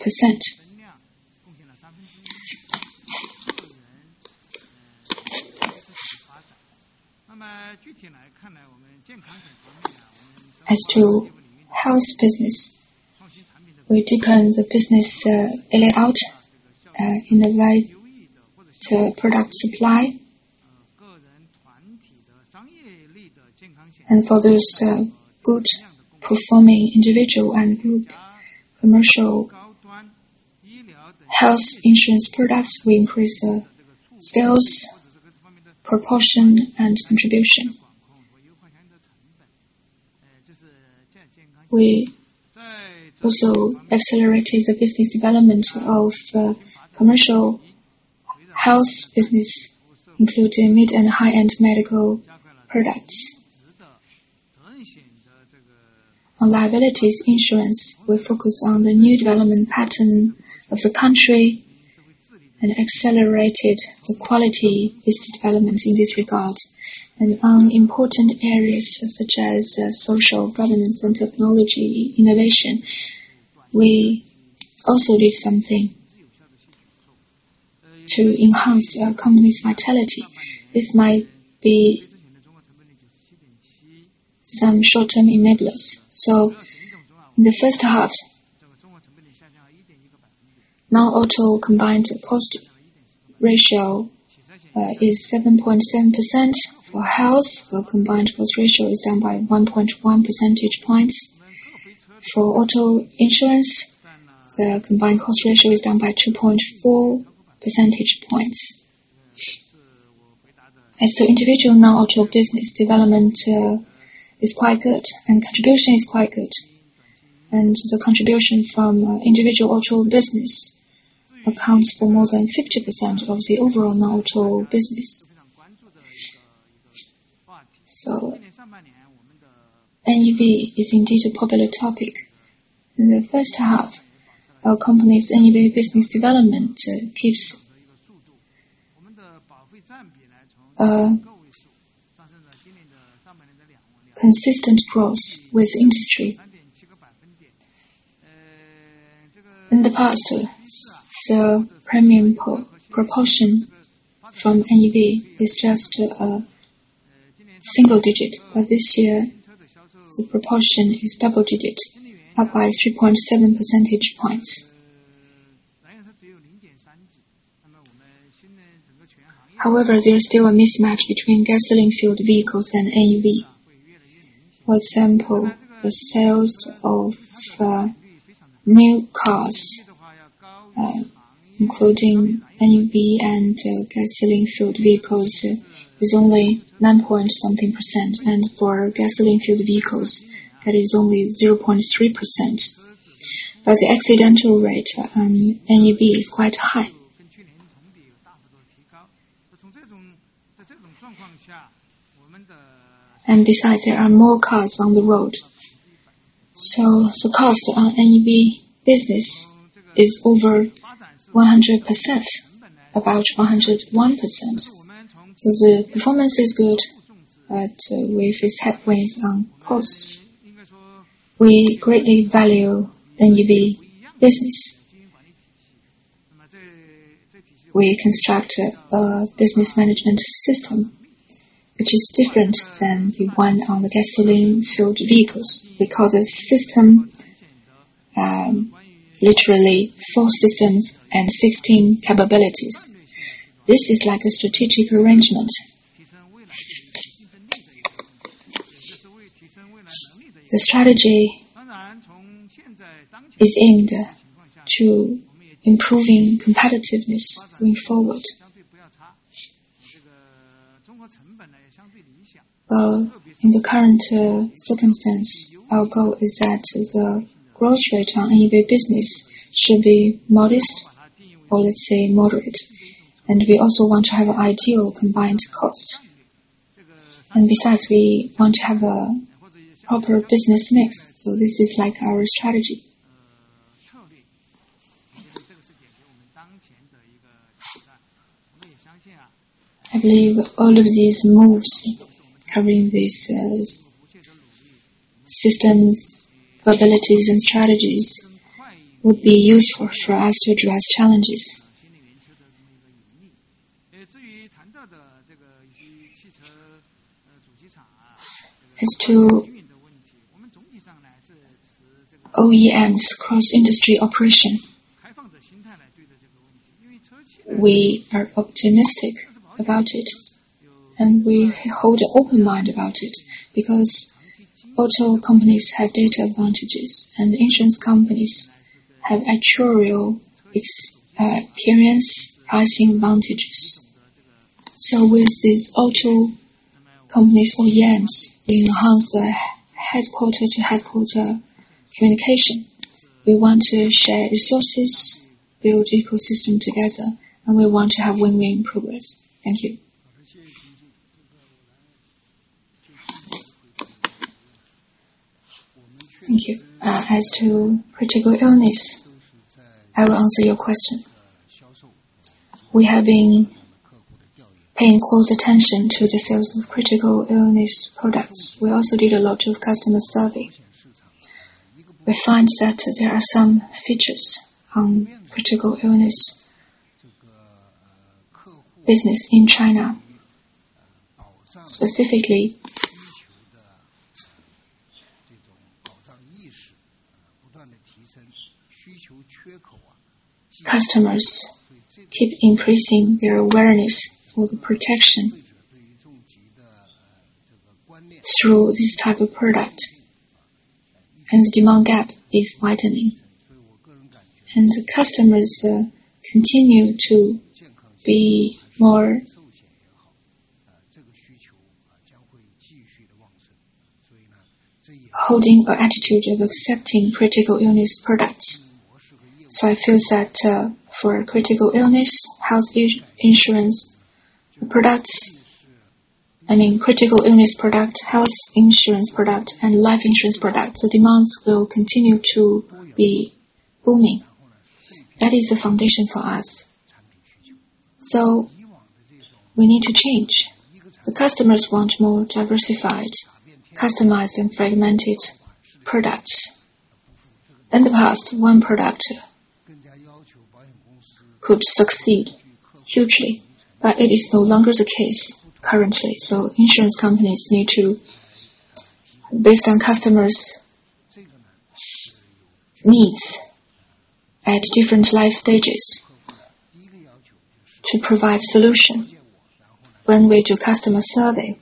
As to health business, we decline the business layout in the right to product supply. And for those good performing individual and group commercial health insurance products, we increase the sales proportion, and contribution. We also accelerated the business development of commercial health business, including mid and high-end medical products. On liabilities insurance, we focus on the new development pattern of the country and accelerated the quality business development in this regard. On important areas, such as social governance and technology innovation, we also did something to enhance our company's vitality. This might be some short-term enablers. So in the first half, non-auto combined ratio is 7.7%. For health, the combined ratio is down by 1.1 percentage points. For auto insurance, the combined ratio is down by 2.4 percentage points. As to individual non-auto business development is quite good, and contribution is quite good. And the contribution from individual auto business accounts for more than 50% of the overall non-auto business. So NEV is indeed a popular topic. In the first half, our company's NEV business development keeps consistent growth with industry. In the past, the premium proportion from NEV is just single digit, but this year, the proportion is double digit, up by 3.7 percentage points. However, there is still a mismatch between gasoline-fueled vehicles and NEV. For example, the sales of new cars, including NEV and gasoline-fueled vehicles, is only 9.something%, and for gasoline-fueled vehicles, that is only 0.3%. But the accident rate on NEV is quite high. And besides, there are more cars on the road. So the cost on NEV business is over 100%, about 101%. So the performance is good, but we face headwinds on cost. We greatly value NEV business. We construct a business management system, which is different than the one on the gasoline-fueled vehicles. We call this system literally 4 systems and 16 capabilities. This is like a strategic arrangement. The strategy is aimed to improving competitiveness going forward. In the current circumstance, our goal is that as a growth rate on any business should be modest or let's say, moderate, and we also want to have an ideal combined cost. And besides, we want to have a proper business mix, so this is like our strategy. I believe all of these moves, covering these systems, capabilities, and strategies, would be useful for us to address challenges. As to OEMs cross-industry operation, we are optimistic about it, and we hold an open mind about it because auto companies have data advantages, and insurance companies have actuarial experience pricing advantages. So with these auto companies, OEMs, we enhance the headquarter-to-headquarter communication. We want to share resources, build ecosystem together, and we want to have win-win progress. Thank you. Thank you. As to critical illness, I will answer your question. We have been paying close attention to the sales of critical illness products. We also did a lot of customer survey. We find that there are some features on critical illness business in China. Specifically, customers keep increasing their awareness for the protection through this type of product, and the demand gap is widening, and the customers continue to be more holding an attitude of accepting critical illness products. So I feel that, for critical illness, health insurance products... I mean, critical illness product, health insurance product, and life insurance product, the demands will continue to be booming. That is the foundation for us. So we need to change. The customers want more diversified, customized, and fragmented products. In the past, one product could succeed hugely, but it is no longer the case currently. So insurance companies need to, based on customers' needs at different life stages, to provide solution. When we do customer survey,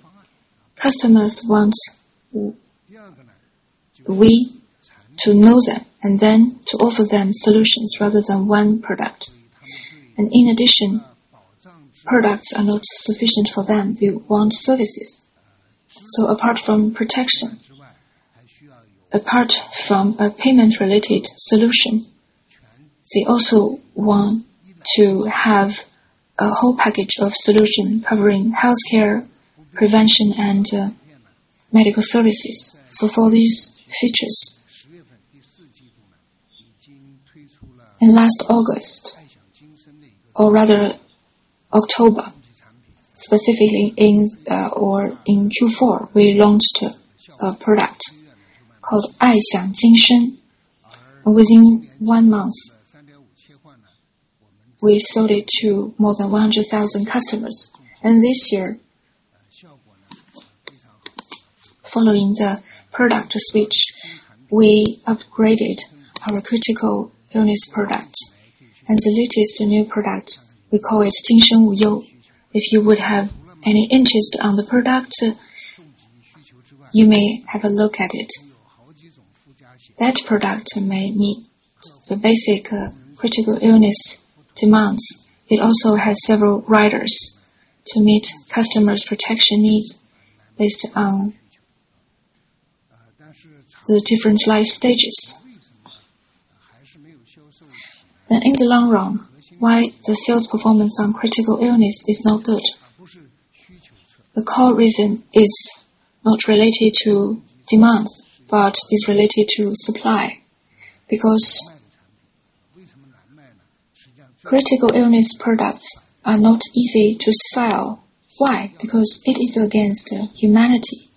customers want we to know them and then to offer them solutions rather than one product. And in addition, products are not sufficient for them. They want services. So apart from protection, apart from a payment-related solution, they also want to have a whole package of solution covering healthcare, prevention, and medical services. So for these features, in last August, or rather October, specifically in or in Q4, we launched a product called Ai Xiang Jin Sheng. Within one month, we sold it to more than 100,000 customers. And this year, following the product switch, we upgraded our critical illness product. And the latest new product, we call it Jin Sheng Wu You. If you would have any interest on the product, you may have a look at it. That product may meet the basic, critical illness demands. It also has several riders to meet customers' protection needs based on the different life stages. And in the long run, why the sales performance on critical illness is not good? The core reason is not related to demands, but is related to supply. Because critical illness products are not easy to sell. Why? Because it is against humanity.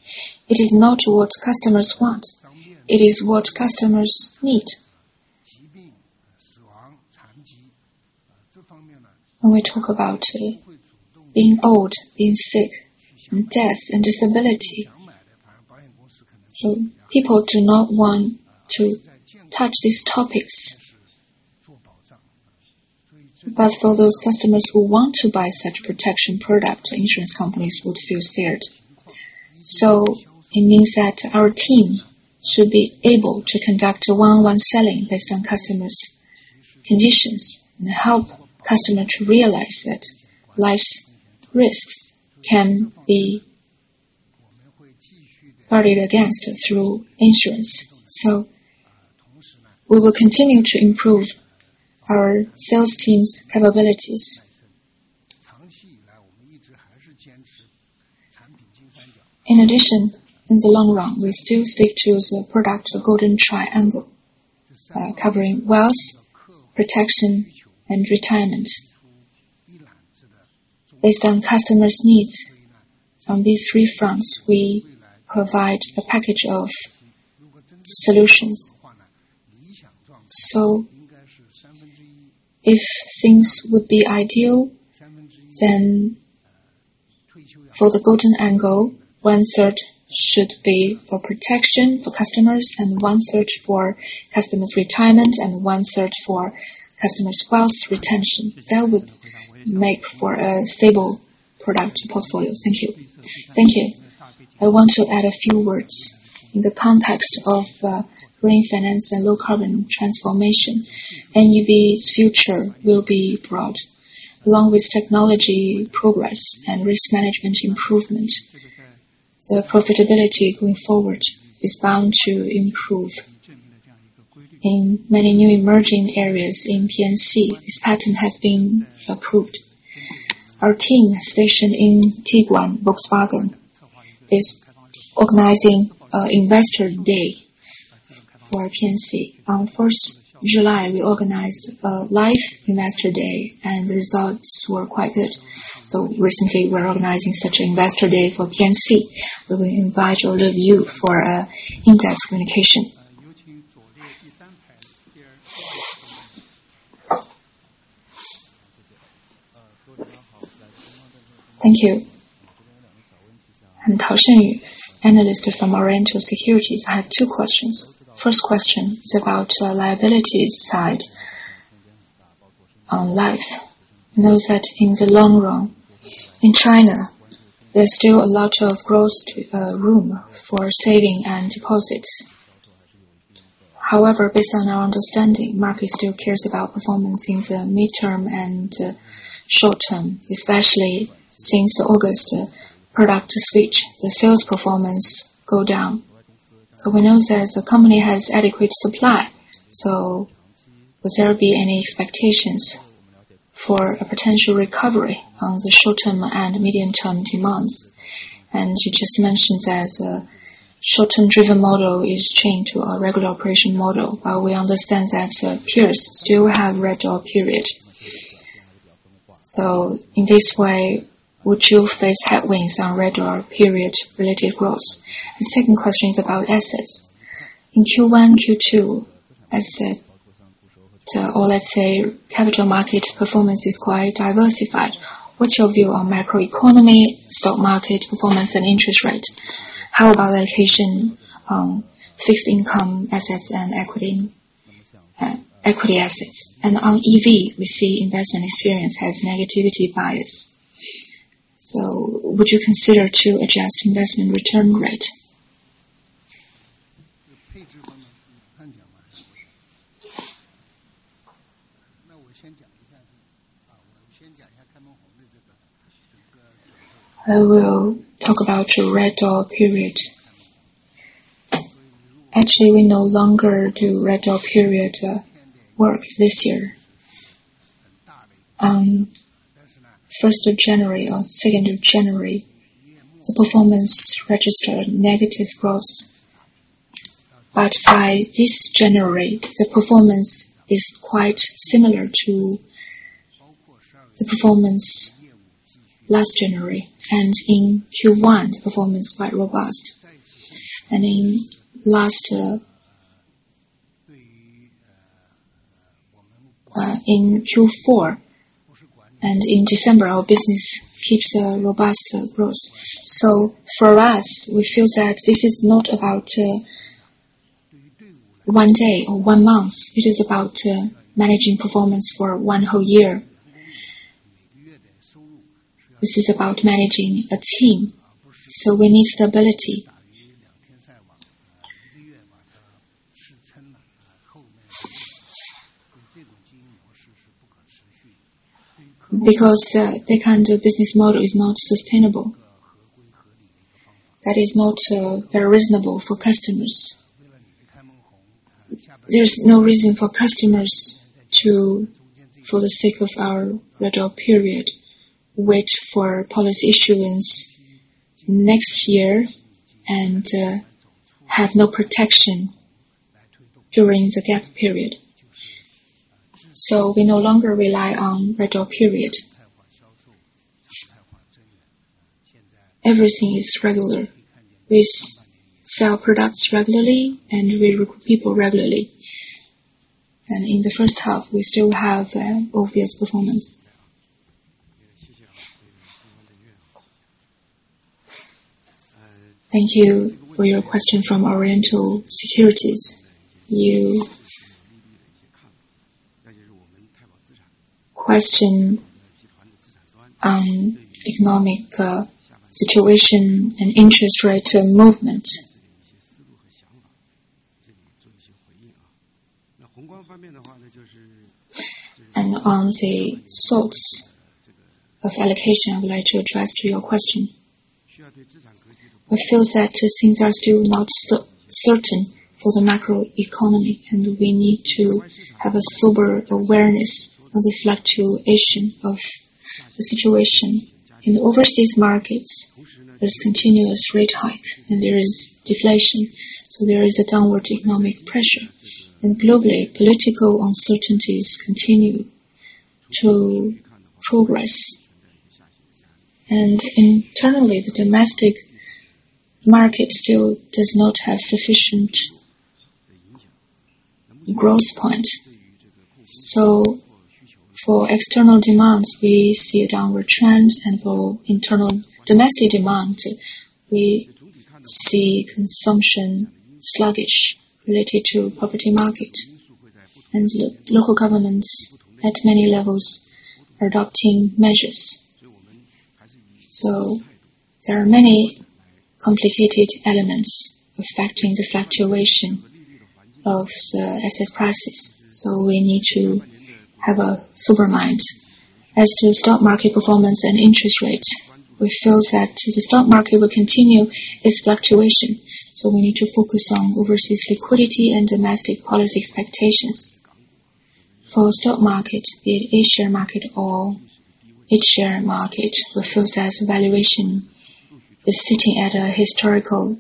It is not what customers want. It is what customers need. When we talk about being old, being sick, and death, and disability. So people do not want to touch these topics. But for those customers who want to buy such protection product, insurance companies would feel scared. So it means that our team should be able to conduct a one-on-one selling based on customers' conditions, and help customer to realize that life's risks can be guarded against through insurance. So we will continue to improve our sales team's capabilities. In addition, in the long run, we still stick to the product, the Golden Triangle, covering wealth, protection, and retirement. Based on customers' needs on these three fronts, we provide a package of solutions. So if things would be ideal, then for the Golden Angle, one-third should be for protection for customers, and one-third for customers' retirement, and one-third for customers' wealth retention. That would make for a stable product portfolio. Thank you. Thank you. I want to add a few words. In the context of green finance and low-carbon transformation, NEV's future will be bright. Along with technology progress and risk management improvement, the profitability going forward is bound to improve. In many new emerging areas in P&C, this pattern has been approved. Our team stationed in Tiguan, Volkswagen, is organizing an investor day for P&C. On 1 July, we organized a Life Investor Day, and the results were quite good. So recently, we're organizing such Investor Day for P&C, where we invite all of you for an in-depth communication. Thank you. I'm Kaushani, analyst from Orient Securities. I have two questions. First question is about our liabilities side on Life. We know that in the long run, in China, there's still a lot of growth, room for saving and deposits. However, based on our understanding, market still cares about performance in the midterm and short term, especially since the August product switch, the sales performance go down. But we know that the company has adequate supply, so would there be any expectations for a potential recovery on the short-term and medium-term demands? And you just mentioned that the short-term-driven model is chained to our regular operation model, while we understand that our peers still have red door period. So in this way, would you face headwinds on red door period relative growth? The second question is about assets. In Q1, Q2, asset, or let's say, capital market performance is quite diversified. What's your view on macroeconomy, stock market performance and interest rate? How about allocation on fixed income, assets, and equity, equity assets? And on EV, we see investment experience has negativity bias. So would you consider to adjust investment return rate? I will talk about your red door period. Actually, we no longer do red door period work this year. On 1st of January or 2nd of January, the performance registered negative growth. But by this January, the performance is quite similar to the performance last January, and in Q1, the performance is quite robust. And in last, in Q4 and in December, our business keeps a robust growth. So for us, we feel that this is not about, one day or one month, it is about, managing performance for one whole year. This is about managing a team, so we need stability. Because, that kind of business model is not sustainable. That is not, very reasonable for customers. There's no reason for customers to, for the sake of our red door period, wait for policy issuance next year and, have no protection during the gap period. So we no longer rely on red door period. Everything is regular. We sell products regularly, and we recruit people regularly. In the first half, we still have an obvious performance. Thank you for your question from Orient Securities. Your question, economic, situation and interest rate movement. On the thoughts of allocation, I would like to address to your question. We feel that things are still not so certain for the macro economy, and we need to have a sober awareness of the fluctuation of the situation. In the overseas markets, there's continuous rate hike, and there is deflation, so there is a downward economic pressure. Globally, political uncertainties continue to progress. Internally, the domestic market still does not have sufficient growth point. So for external demands, we see a downward trend, and for internal domestic demand, we see consumption sluggish related to property market. Local governments at many levels are adopting measures. There are many complicated elements affecting the fluctuation of the asset prices, so we need to have a sober mind. As to stock market performance and interest rates, we feel that the stock market will continue its fluctuation, so we need to focus on overseas liquidity and domestic policy expectations. For stock market, the A-share market or H share market, we feel that valuation is sitting at a historical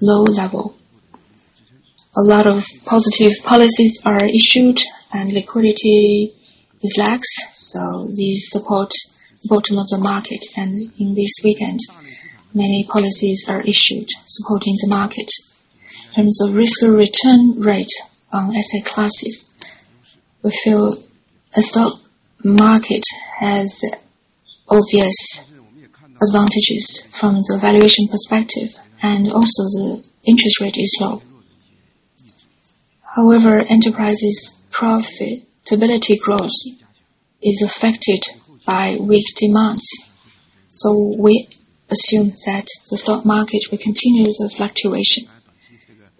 low level. A lot of positive policies are issued and liquidity is lax, so these support the bottom of the market, and in this weekend, many policies are issued supporting the market. In terms of risk or return rate on asset classes, we feel a stock market has obvious advantages from the valuation perspective, and also the interest rate is low. However, enterprises' profitability growth is affected by weak demands. We assume that the stock market will continue the fluctuation.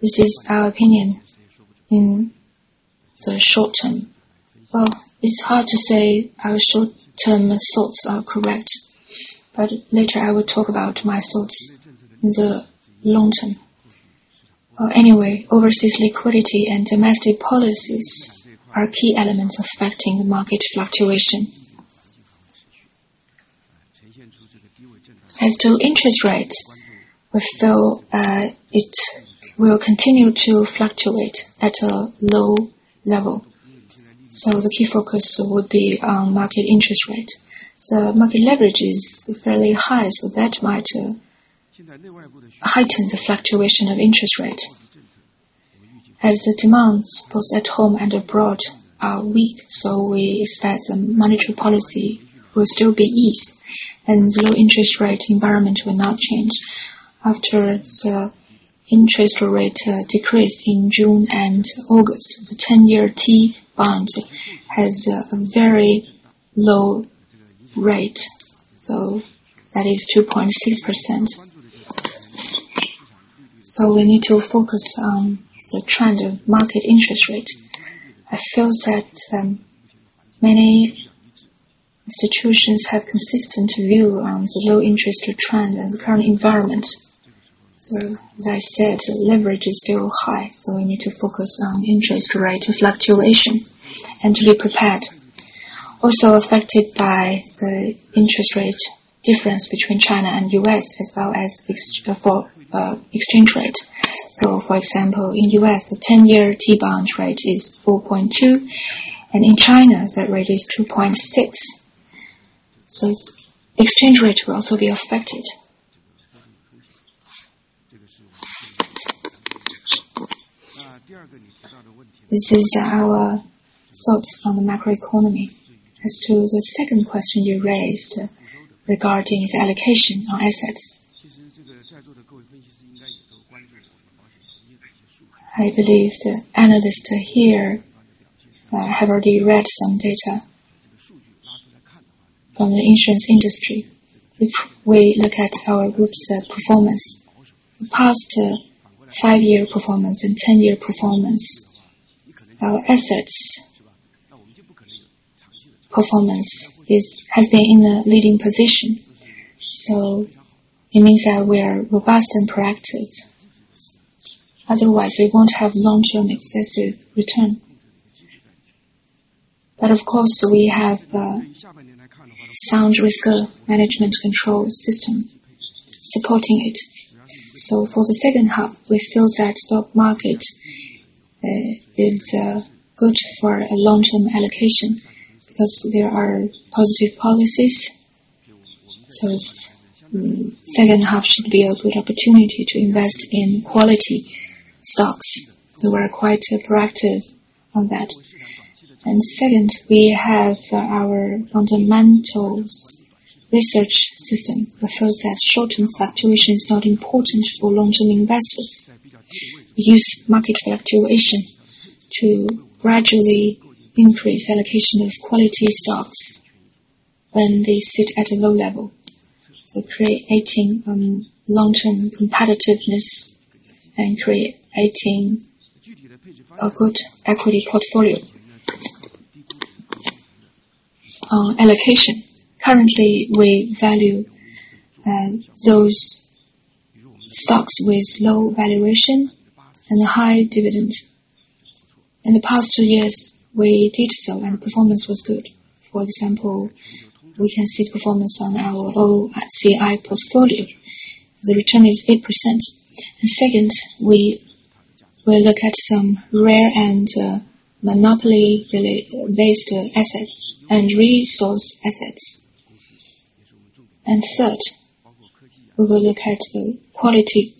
This is our opinion in the short term. Well, it's hard to say our short-term thoughts are correct, but later I will talk about my thoughts in the long term. Well, anyway, overseas liquidity and domestic policies are key elements affecting the market fluctuation. As to interest rates, we feel, it will continue to fluctuate at a low level. The key focus would be on market interest rate. Market leverage is fairly high, so that might heighten the fluctuation of interest rate. As the demands, both at home and abroad, are weak, so we expect some monetary policy will still be ease and the low interest rate environment will not change. After the interest rate decrease in June and August, the 10-year T bond has a very low rate, so that is 2.6%. So we need to focus on the trend of market interest rate. I feel that many institutions have consistent view on the low interest rate trend and the current environment. So as I said, leverage is still high, so we need to focus on interest rate fluctuation and to be prepared. Also affected by the interest rate difference between China and U.S., as well as exchange rate. So for example, in U.S., the 10-year T bond rate is 4.2, and in China, that rate is 2.6. So exchange rate will also be affected. This is our thoughts on the macroeconomy. As to the second question you raised regarding the allocation on assets. I believe the analysts here have already read some data from the insurance industry. If we look at our group's performance, the past five-year performance and 10-year performance, our assets performance has been in a leading position. So it means that we are robust and proactive, otherwise, we won't have long-term excessive return. But of course, we have a sound risk management control system supporting it. So for the second half, we feel that stock market is good for a long-term allocation because there are positive policies. So second half should be a good opportunity to invest in quality stocks. We were quite proactive on that. And second, we have our fundamentals research system refers that short-term fluctuation is not important for long-term investors. We use market fluctuation to gradually increase allocation of quality stocks when they sit at a low level, for creating long-term competitiveness and creating a good equity portfolio. Allocation. Currently, we value those stocks with low valuation and high dividend. In the past two years, we did so, and performance was good. For example, we can see performance on our OCI portfolio. The return is 8%. Second, we will look at some rare and monopoly-related-based assets and resource assets. Third, we will look at the quality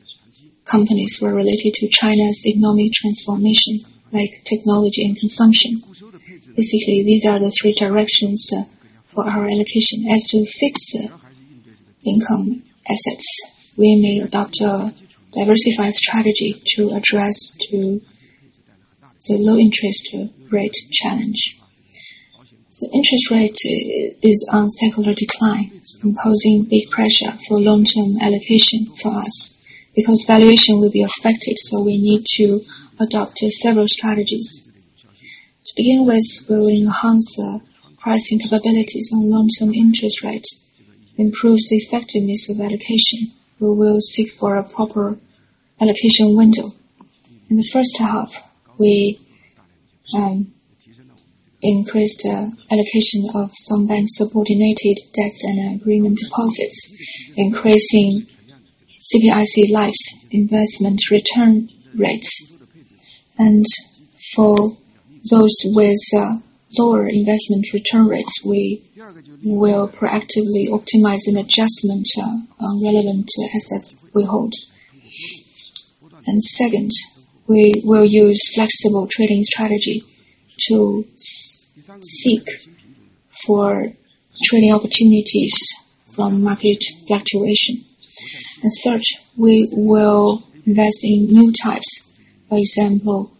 companies who are related to China's economic transformation, like technology and consumption. Basically, these are the three directions for our allocation. As to fixed income assets, we may adopt a diversified strategy to address to the low interest rate challenge. The interest rate is on secular decline, imposing big pressure for long-term allocation for us, because valuation will be affected, so we need to adopt several strategies. To begin with, we will enhance pricing capabilities on long-term interest rates, improve the effectiveness of allocation. We will seek for a proper allocation window. In the first half, we increased allocation of some bank-subordinated debts and agreement deposits, increasing CPIC Life's investment return rates. And for those with lower investment return rates, we will proactively optimize an adjustment on relevant assets we hold. And second, we will use flexible trading strategy to seek for trading opportunities from market fluctuation. And third, we will invest in new types. For example,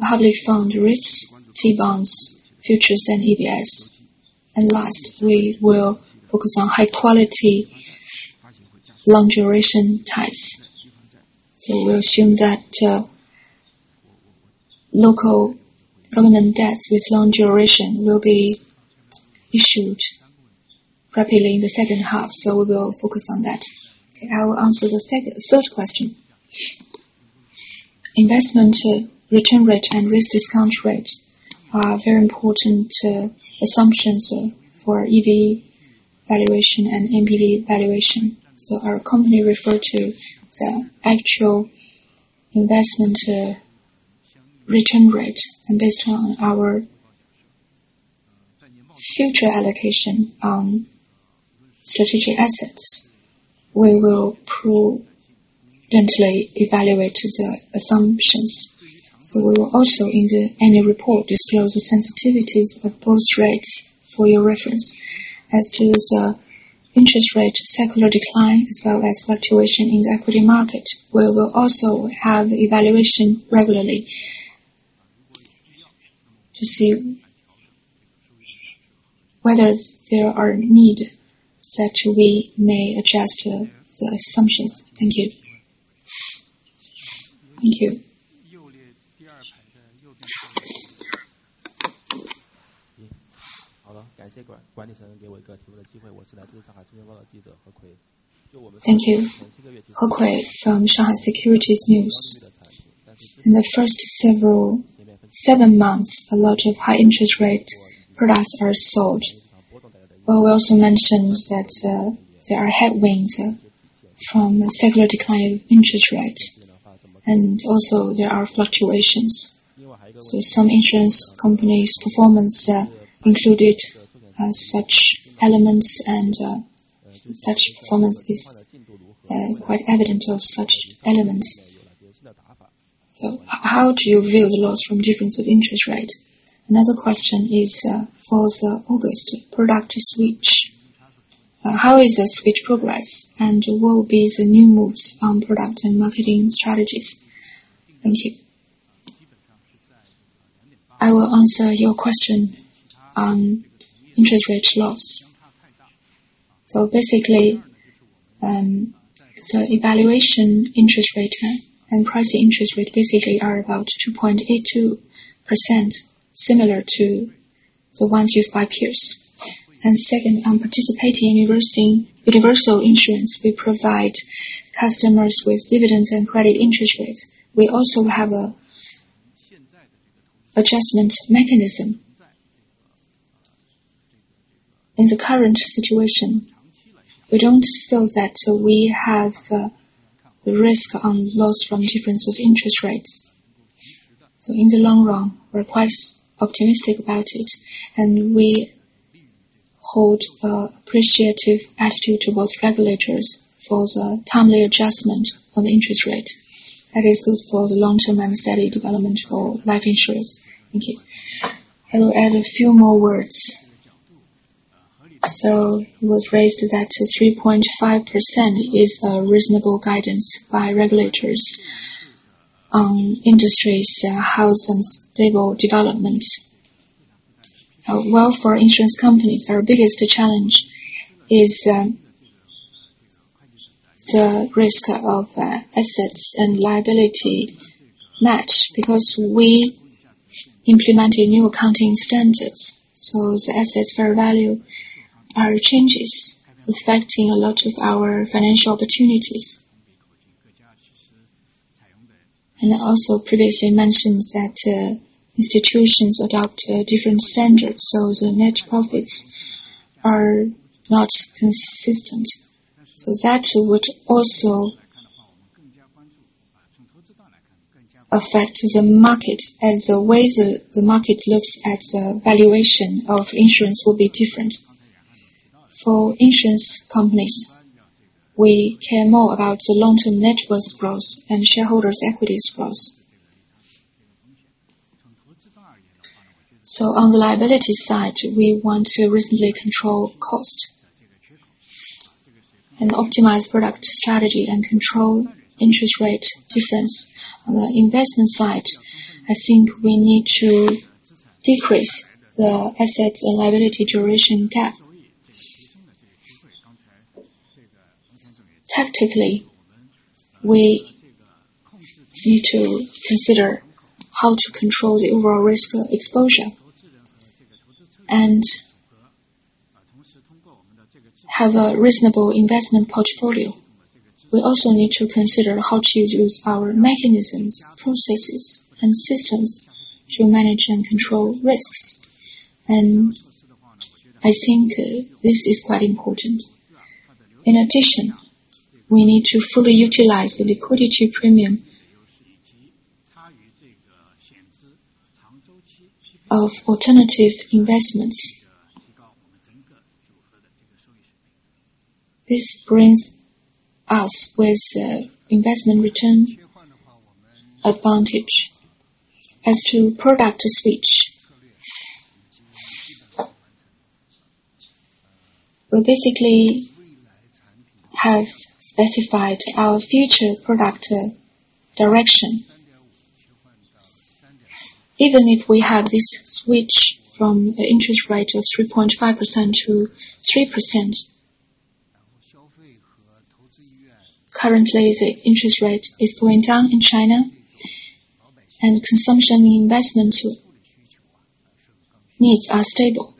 public fund risks, T-bonds, futures, and ABS. And last, we will focus on high quality, long duration types. So we assume that local government debts with long duration will be issued rapidly in the second half, so we will focus on that. I will answer the third question. Investment return rate and risk discount rate are very important assumptions for EV valuation and MPV valuation. So our company refer to the actual investment return rate. And based on our future allocation on strategic assets, we will prudently evaluate the assumptions. So we will also, in the annual report, disclose the sensitivities of both rates for your reference. As to the interest rate secular decline, as well as fluctuation in the equity market, we will also have evaluation regularly to see whether there are need, that we may adjust the assumptions. Thank you. Thank you. Thank you. He wei from Shanghai Securities News. In the first seven months, a lot of high interest rates products are sold. But we also mentioned that there are headwinds from the secular decline of interest rates, and also there are fluctuations. So some insurance companies' performance included such elements, and such performance is quite evident of such elements. So how do you view the loss from difference of interest rate? Another question is for the August product switch. How is the switch progress, and what will be the new moves on product and marketing strategies? Thank you. I will answer your question on interest rate loss. So basically, the evaluation interest rate and pricing interest rate basically are about 2.82%, similar to the ones used by peers. And second, on participating universal, universal insurance, we provide customers with dividends and credit interest rates. We also have an adjustment mechanism. In the current situation, we don't feel that we have risk on loss from difference of interest rates... So in the long run, we're quite optimistic about it, and we hold an appreciative attitude towards regulators for the timely adjustment on the interest rate. That is good for the long-term and steady development for life insurance. Thank you. I will add a few more words. So we raised that 3.5% is a reasonable guidance by regulators on industry's health and stable development. Well, for insurance companies, our biggest challenge is the risk of assets and liability match, because we implemented new accounting standards, so the assets fair value are changes, affecting a lot of our financial opportunities. And also previously mentioned that institutions adopt different standards, so the net profits are not consistent. So that would also affect the market, as the way the market looks at the valuation of insurance will be different. For insurance companies, we care more about the long-term net worth growth and shareholders' equities growth. So on the liability side, we want to reasonably control cost and optimize product strategy and control interest rate difference. On the investment side, I think we need to decrease the assets and liability duration gap. Tactically, we need to consider how to control the overall risk exposure and have a reasonable investment portfolio. We also need to consider how to use our mechanisms, processes, and systems to manage and control risks. And I think this is quite important. In addition, we need to fully utilize the liquidity premium of alternative investments. This brings us with investment return advantage. As to product switch, we basically have specified our future product direction. Even if we have this switch from an interest rate of 3.5% to 3%, currently, the interest rate is going down in China, and consumption investment needs are stable.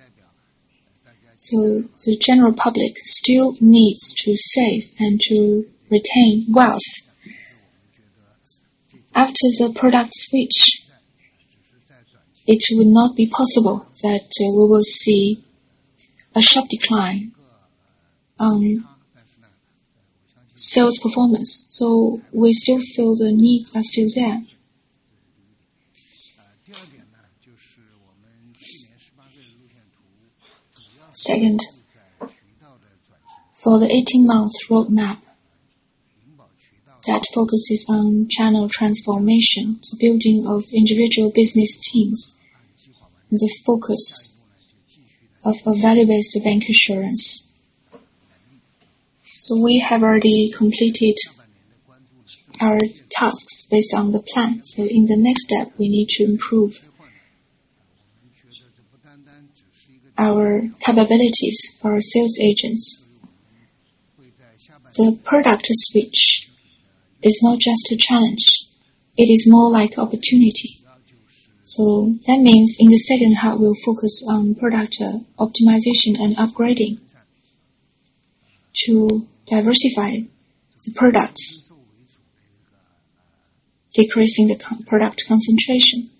So the general public still needs to save and to retain wealth. After the product switch, it will not be possible that we will see a sharp decline on sales performance, so we still feel the needs are still there. Second, for the 18 months roadmap, that focuses on channel transformation, the building of individual business teams, and the focus of a value-based bank insurance. So we have already completed our tasks based on the plan. So in the next step, we need to improve our capabilities for our sales agents. The product switch is not just a challenge, it is more like opportunity. So that means in the second half, we'll focus on product optimization and upgrading to diversify the products, decreasing the product concentration.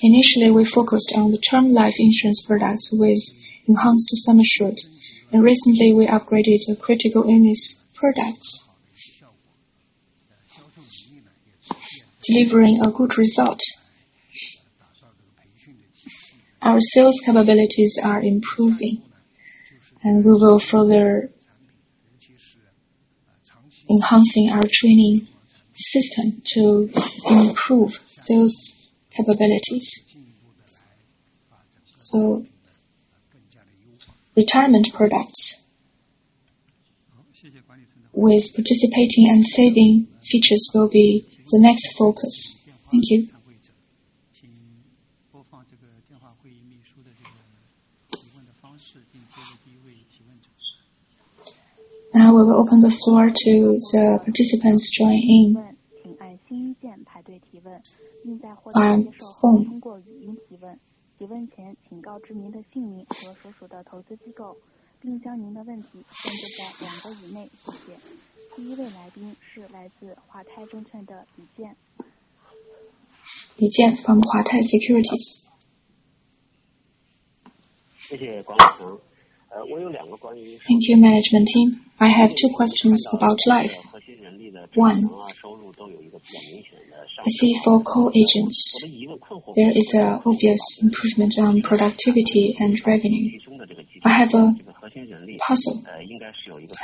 Initially, we focused on the term life insurance products with enhanced sum assured, and recently we upgraded the critical illness products, delivering a good result. Our sales capabilities are improving, and we will further enhancing our training system to improve sales capabilities. So retirement products with participating and saving features will be the next focus. Thank you. Now we will open the floor to the participants joining.... Thank you, management team. I have two questions about life. One, I see for core agents, there is an obvious improvement on productivity and revenue. I have a puzzle.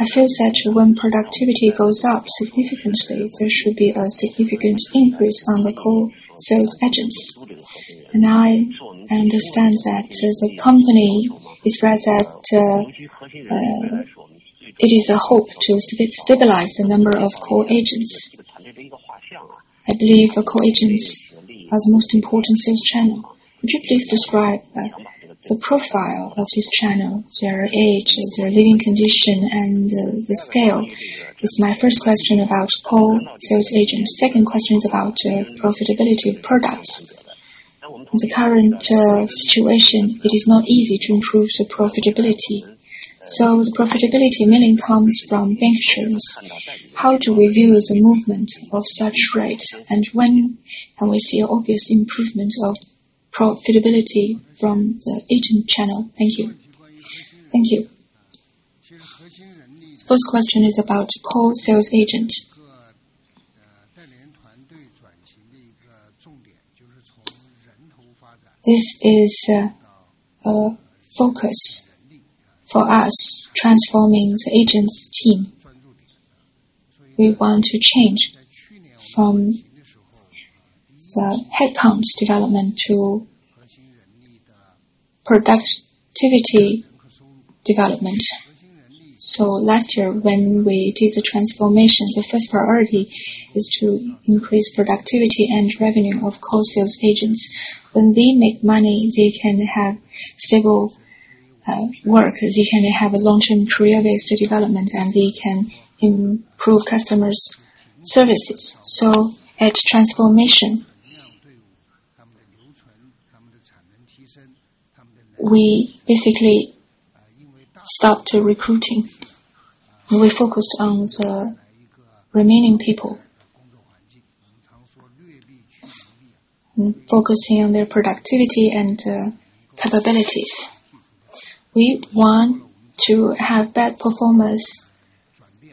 I feel that when productivity goes up significantly, there should be a significant increase on the core sales agents. And I understand that as a company, it's right that it is a hope to stabilize the number of core agents. I believe the core agents are the most important sales channel. Would you please describe, like, the profile of this channel, their age, their living condition, and the scale? It's my first question about core sales agents. Second question is about profitability of products. In the current situation, it is not easy to improve the profitability. So the profitability mainly comes from insurance. How do we view the movement of such rates, and when can we see obvious improvement of profitability from the agent channel? Thank you. Thank you. First question is about core sales agent. This is, a focus for us, transforming the agents team. We want to change from the headcount development to productivity development. So last year, when we did the transformation, the first priority is to increase productivity and revenue of core sales agents. When they make money, they can have stable, work. They can have a long-term career-based development, and they can improve customers' services. So at transformation, we basically stopped recruiting. We focused on the remaining people, focusing on their productivity and, capabilities. We want to have bad performers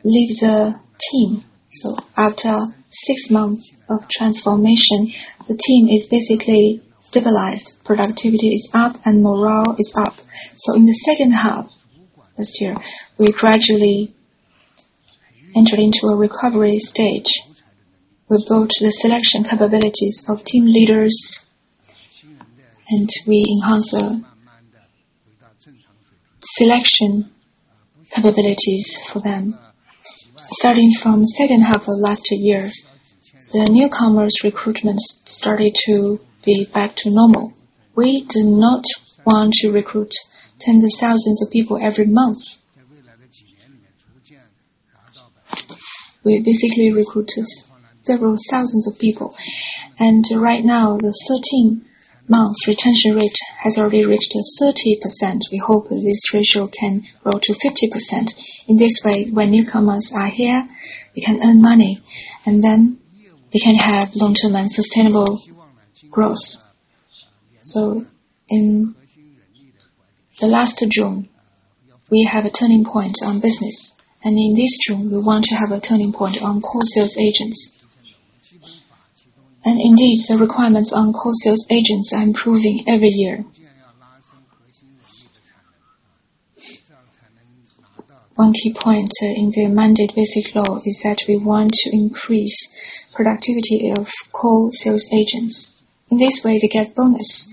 leave the team. So after six months of transformation, the team is basically stabilized. Productivity is up, and morale is up. So in the second half, this year, we gradually entered into a recovery stage. We built the selection capabilities of team leaders, and we enhanced the selection capabilities for them. Starting from second half of last year, the newcomers recruitments started to be back to normal. We do not want to recruit tens of thousands of people every month. We basically recruit several thousands of people. And right now, the 13-month retention rate has already reached 30%. We hope that this ratio can grow to 50%. In this way, when newcomers are here, they can earn money, and then they can have long-term and sustainable growth. So in the last June, we have a turning point on business, and in this June, we want to have a turning point on core sales agents. And indeed, the requirements on core sales agents are improving every year. One key point in the amended basic law is that we want to increase productivity of core sales agents. In this way, they get bonus,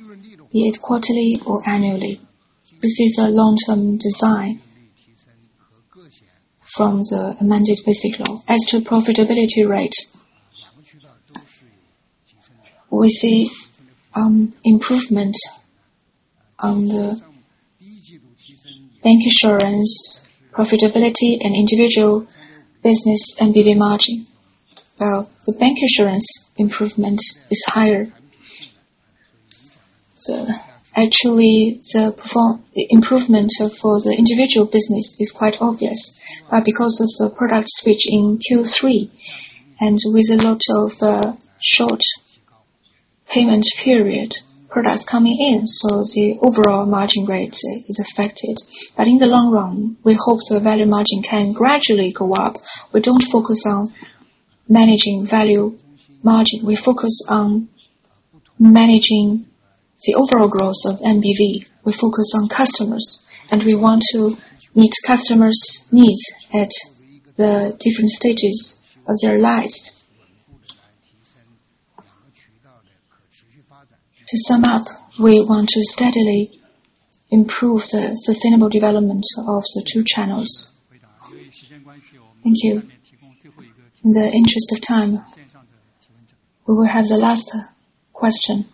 be it quarterly or annually. This is a long-term design from the amended basic law. As to profitability rate, we see improvement on the bank insurance profitability and individual business MBV margin. While the bank insurance improvement is higher. So actually, the improvement for the individual business is quite obvious, but because of the product switch in Q3, and with a lot of short payment period products coming in, so the overall margin rate is affected. But in the long run, we hope the value margin can gradually go up. We don't focus on managing value margin. We focus on managing the overall growth of MBV. We focus on customers, and we want to meet customers' needs at the different stages of their lives. To sum up, we want to steadily improve the sustainable development of the two channels. Thank you. In the interest of time, we will have the last question.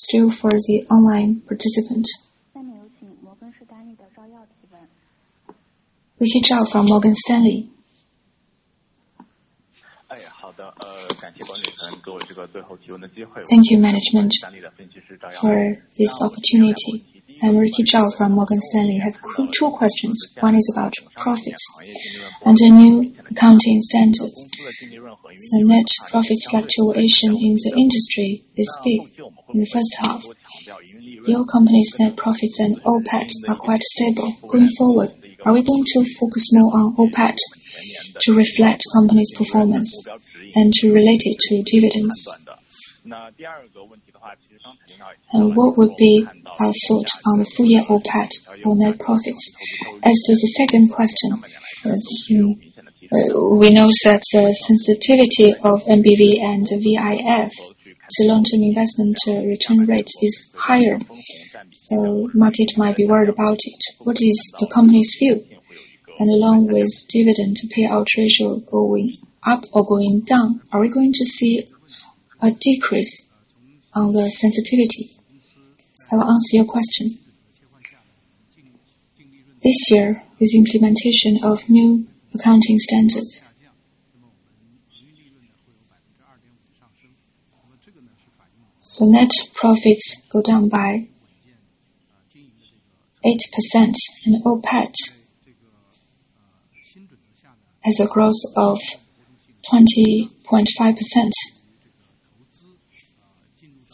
Still for the online participant. Rick Zhao from Morgan Stanley. Thank you, management, for this opportunity. I'm Rick Zhao from Morgan Stanley. I have two questions. One is about profits and the new accounting standards.... The net profits fluctuation in the industry is big. In the first half, your company's net profits and OPAT are quite stable. Going forward, are we going to focus more on OPAT to reflect company's performance and to relate it to dividends? And what would be our thought on the full year OPAT or net profits? As to the second question, as we know that the sensitivity of NBV and VIF to long-term investment, return rate is higher, so market might be worried about it. What is the company's view? And along with dividend payout ratio going up or going down, are we going to see a decrease on the sensitivity? I will answer your question. This year, with implementation of new accounting standards, so net profits go down by 8%, and OPAT has a growth of 20.5%.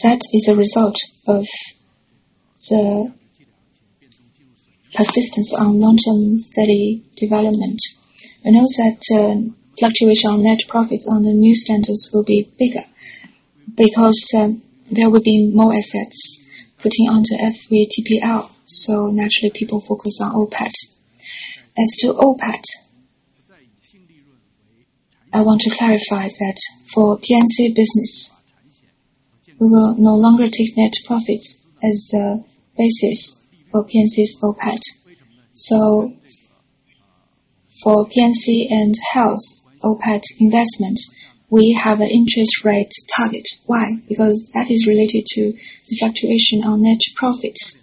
That is a result of the persistence on long-term steady development. We know that, fluctuation on net profits on the new standards will be bigger because, there will be more assets putting onto FVTPL, so naturally, people focus on OPAT. As to OPAT, I want to clarify that for P&C business, we will no longer take net profits as a basis for P&C's OPAT. So for P&C and health OPAT investment, we have an interest rate target. Why? Because that is related to the fluctuation on net profits.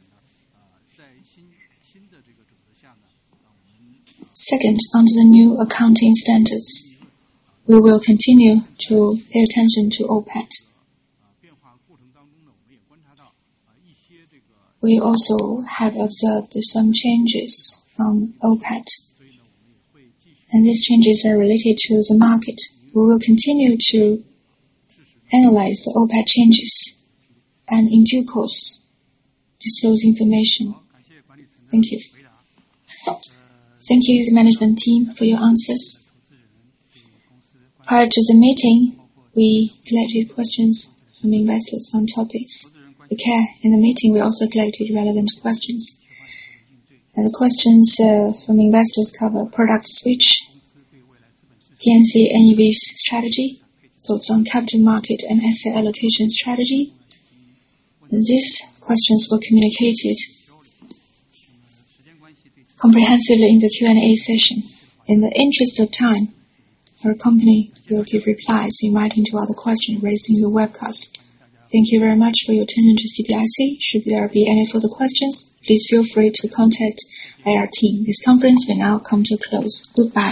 Second, under the new accounting standards, we will continue to pay attention to OPAT. We also have observed some changes from OPAT, and these changes are related to the market. We will continue to analyze the OPAT changes, and in due course, disclose information. Thank you. Thank you, the management team, for your answers. Prior to the meeting, we collected questions from investors on topics. Okay, in the meeting, we also collected relevant questions, and the questions from investors cover product switch, P&C NEV strategy, thoughts on capital market and asset allocation strategy. These questions were communicated comprehensively in the Q&A session. In the interest of time, our company will give replies in writing to other questions raised in the webcast. Thank you very much for your attention to CPIC. Should there be any further questions, please feel free to contact our team. This conference will now come to a close. Goodbye!